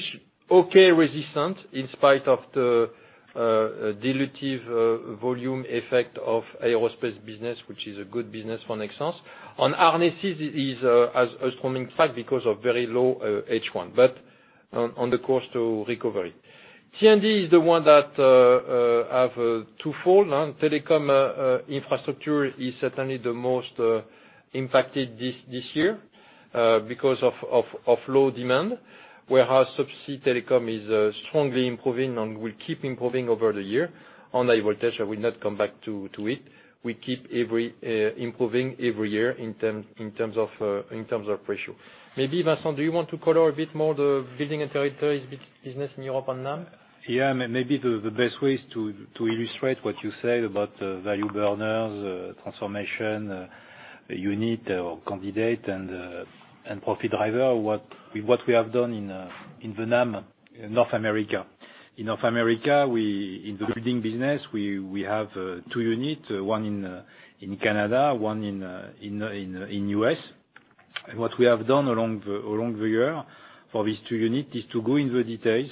okay resistant in spite of the dilutive volume effect of aerospace business, which is a good business for Nexans. On harnesses, it has a strong impact because of very low H1, but on the course to recovery. T&D is the one that has twofold. Telecom infrastructure is certainly the most impacted this year because of low demand. Whereas subsea telecom is strongly improving and will keep improving over the year. On high voltage, I will not come back to it. We keep improving every year in terms of ratio. Maybe, Vincent, do you want to color a bit more the Building and Territories business in Europe and NAM? Yeah. Maybe the best way is to illustrate what you said about value burners, transformation unit candidate, and profit driver, what we have done in the NAM, North America. In North America, in the building business, we have two units, one in Canada, one in the U.S. And what we have done along the year for these two units is to go into the details,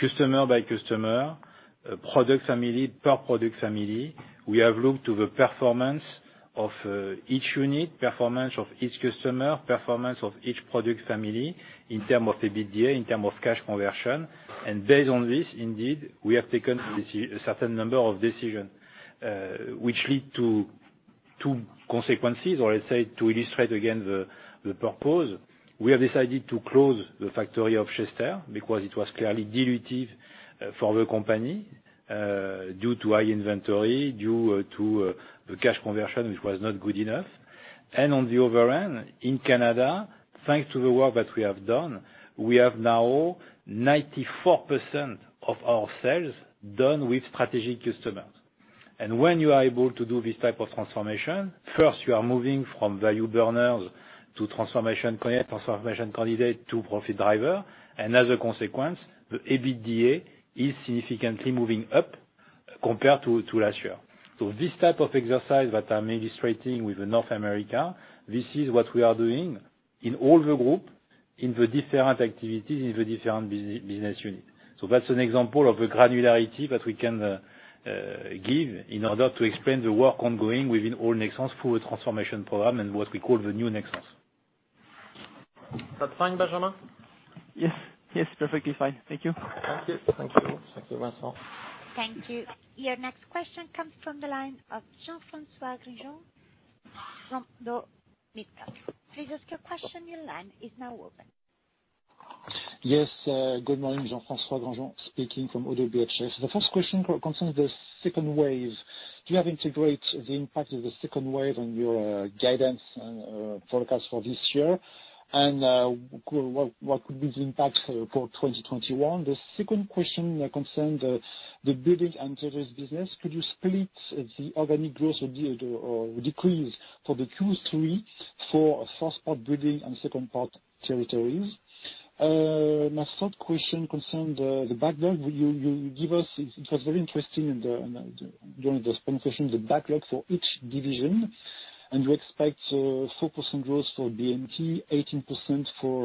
customer by customer, product family, per product family. We have looked to the performance of each unit, performance of each customer, performance of each product family in terms of EBITDA, in terms of cash conversion. And based on this, indeed, we have taken a certain number of decisions, which lead to two consequences or, let's say, to illustrate again the purpose. We have decided to close the factory of Chester because it was clearly dilutive for the company due to high inventory, due to the cash conversion, which was not good enough. And on the other end, in Canada, thanks to the work that we have done, we have now 94% of our sales done with strategic customers. And when you are able to do this type of transformation, first, you are moving from value burners to transformation candidate to profit driver. And as a consequence, the EBITDA is significantly moving up compared to last year. So this type of exercise that I'm illustrating with North America, this is what we are doing in all the group, in the different activities, in the different business units. That's an example of the granularity that we can give in order to explain the work ongoing within all Nexans through a transformation program and what we call the new Nexans. Is that fine, Benjamin? Yes. Yes, perfectly fine. Thank you. Thank you. Thank you. Thank you, Vincent. Thank you. Your next question comes from the line of Jean-François Granjon from ODDO Midcap. Please ask your question. Your line is now open. Yes. Good morning. Jean-François Granjon speaking. The first question concerns the second wave. Do you have integrated the impact of the second wave on your guidance and forecast for this year? And what could be the impact for 2021? The second question concerns the Building and Territories business. Could you split the organic growth or decrease for the Q3 for first-part building and second-part territories? My third question concerns the backlog. You gave us it was very interesting during the spending question, the backlog for each division. And you expect 4% growth for B&T, 18% for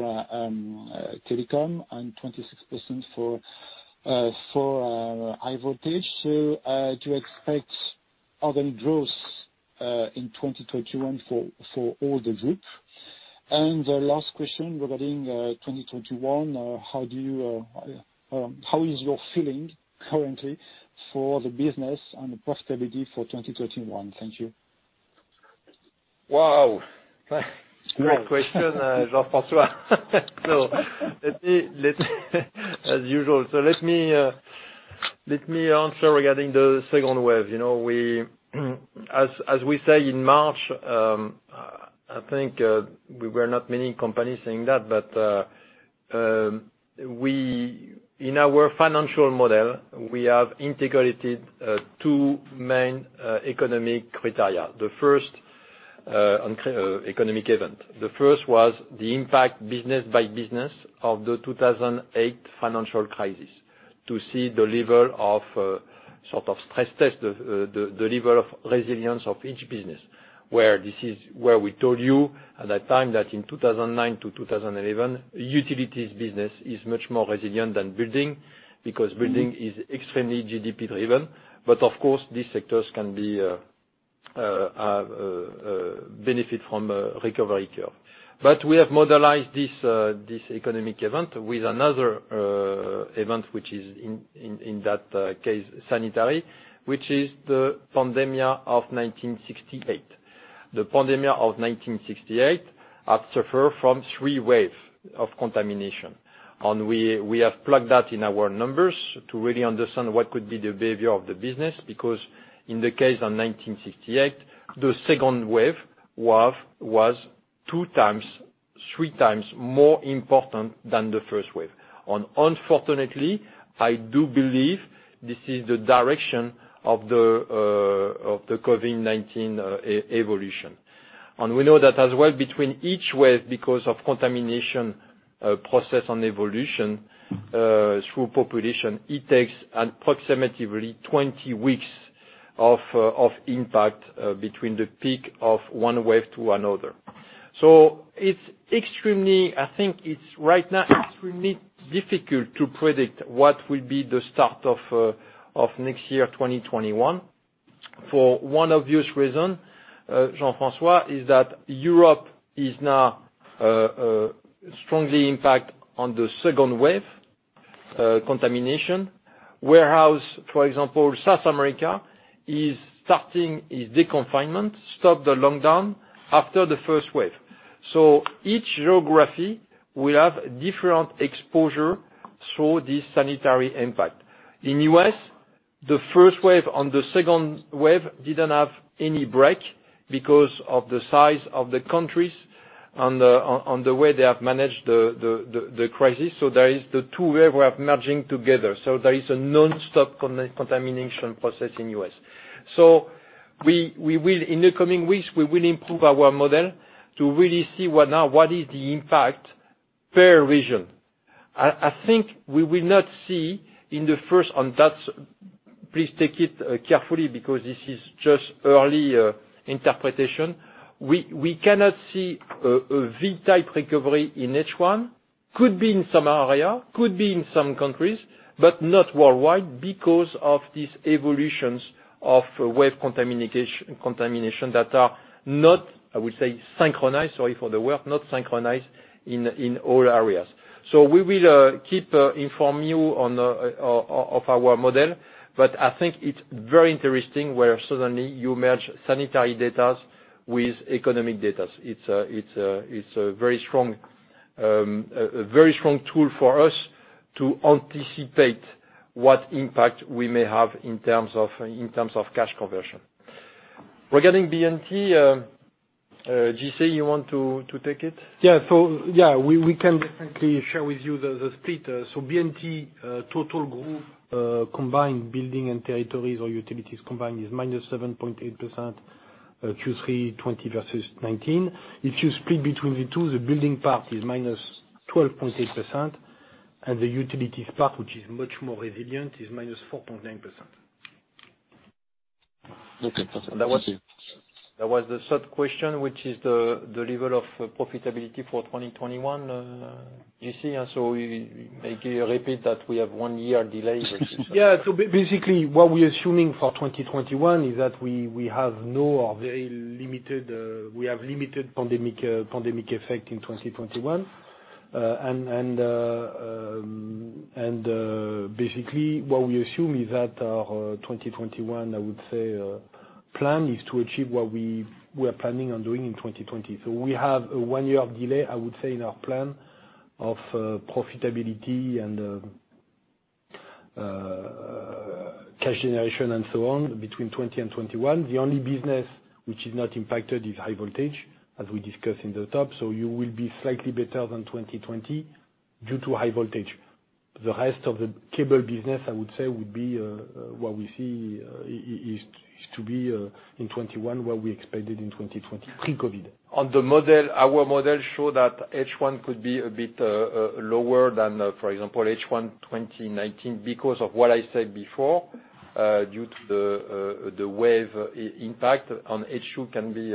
telecom, and 26% for high voltage. So do you expect organic growth in 2021 for all the group? And the last question regarding 2021, how is your feeling currently for the business and the profitability for 2021? Thank you. Wow. Great question, Jean-François. So as usual, so let me answer regarding the second wave. As we say in March, I think we were not many companies saying that, but in our financial model, we have integrated two main economic criteria, the first economic event. The first was the impact business by business of the 2008 financial crisis to see the level of sort of stress test, the level of resilience of each business, where we told you at that time that in 2009-2011, utilities business is much more resilient than building because building is extremely GDP-driven. But of course, these sectors can benefit from a recovery curve. But we have modeled this economic event with another event, which is in that case, sanitary, which is the pandemic of 1968. The pandemic of 1968 has suffered from three waves of contamination. We have plugged that in our numbers to really understand what could be the behavior of the business because in the case of 1968, the second wave was three times more important than the first wave. Unfortunately, I do believe this is the direction of the COVID-19 evolution. We know that as well, between each wave, because of contamination process and evolution through population, it takes approximately 20 weeks of impact between the peak of one wave to another. I think it's right now extremely difficult to predict what will be the start of next year, 2021, for one obvious reason, Jean-François: Europe is now strongly impacted on the second wave contamination. Whereas, for example, South America is starting its deconfinement, stopped the lockdown after the first wave. Each geography will have different exposure through this sanitary impact. In the U.S., the first wave and the second wave didn't have any break because of the size of the countries and the way they have managed the crisis. So there is the two waves merging together. So there is a nonstop contamination process in the U.S. So in the coming weeks, we will improve our model to really see now what is the impact per region. I think we will not see in the first on that please take it carefully because this is just early interpretation. We cannot see a V-type recovery in H1. Could be in some area, could be in some countries, but not worldwide because of these evolutions of wave contamination that are not, I would say, synchronized, sorry for the word, not synchronized in all areas. So we will keep informing you of our model, but I think it's very interesting where suddenly you merge sanitary data with economic data. It's a very strong tool for us to anticipate what impact we may have in terms of cash conversion. Regarding B&T, JC, you want to take it? Yeah. So yeah, we can definitely share with you the split. So B&T total group combined, building and territories or utilities combined is -7.8% Q3 2020 versus 2019. If you split between the two, the building part is -12.8%, and the utilities part, which is much more resilient, is -4.9%. Okay. That was the third question, which is the level of profitability for 2021, JC. So maybe repeat that we have one year delay versus. Yeah. So basically, what we're assuming for 2021 is that we have limited pandemic effect in 2021. Basically, what we assume is that our 2021, I would say, plan is to achieve what we are planning on doing in 2020. So we have a one-year delay, I would say, in our plan of profitability and cash generation and so on between 2020 and 2021. The only business which is not impacted is high voltage, as we discussed in the top. So you will be slightly better than 2020 due to high voltage. The rest of the cable business, I would say, would be what we see is to be in 2021 where we expected in 2020 pre-COVID. On the model, our model showed that H1 could be a bit lower than, for example, H1 2019 because of what I said before due to the wave impact on H2 can be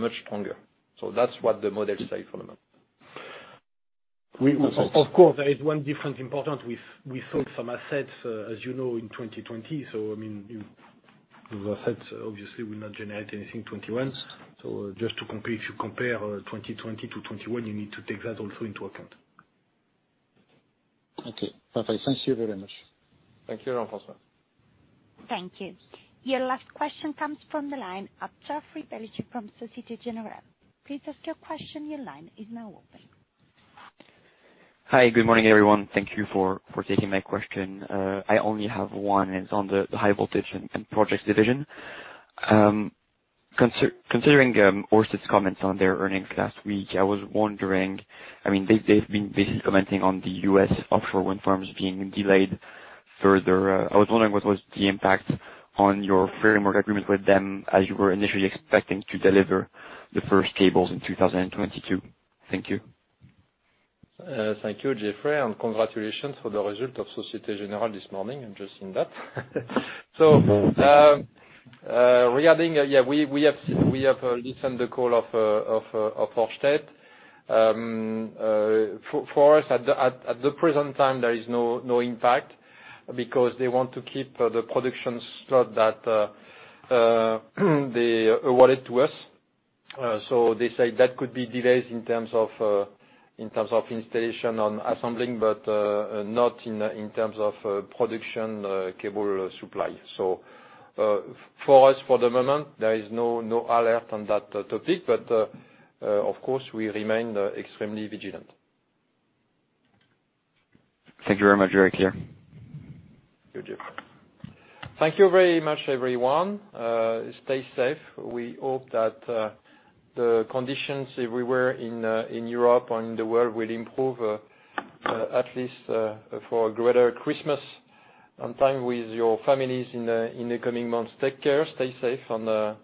much stronger. So that's what the model says for the moment. Of course, there is one difference important. We sold some assets, as you know, in 2020. So I mean, those assets, obviously, will not generate anything in 2021. So just to compare, if you compare 2020 to 2021, you need to take that also into account. Okay. Perfect. Thank you very much. Thank you, Jean-François. Thank you. Your last question comes from the line of Joffrey Bellicha from Societe Generale. Please ask your question. Your line is now open. Hi. Good morning, everyone. Thank you for taking my question. I only have one, and it's on the High Voltage and Projects division. Considering Ørsted's comments on their earnings last week, I was wondering, I mean, they've been basically commenting on the U.S. offshore wind farms being delayed further. I was wondering what was the impact on your framework agreement with them as you were initially expecting to deliver the first cables in 2022. Thank you. Thank you, Joffrey. Congratulations for the result of Societe Generale this morning. I'm just seeing that. So regarding yeah, we have listened to the call of Ørsted. For us, at the present time, there is no impact because they want to keep the production slot that they awarded to us. So they say that could be delays in terms of installation and assembling, but not in terms of production cable supply. So for us, for the moment, there is no alert on that topic, but of course, we remain extremely vigilant. Thank you very much. Thank you, Joffrey. Thank you very much, everyone. Stay safe. We hope that the conditions everywhere in Europe and in the world will improve, at least for a greater Christmas on time with your families in the coming months. Take care. Stay safe, and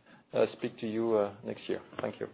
speak to you next year. Thank you.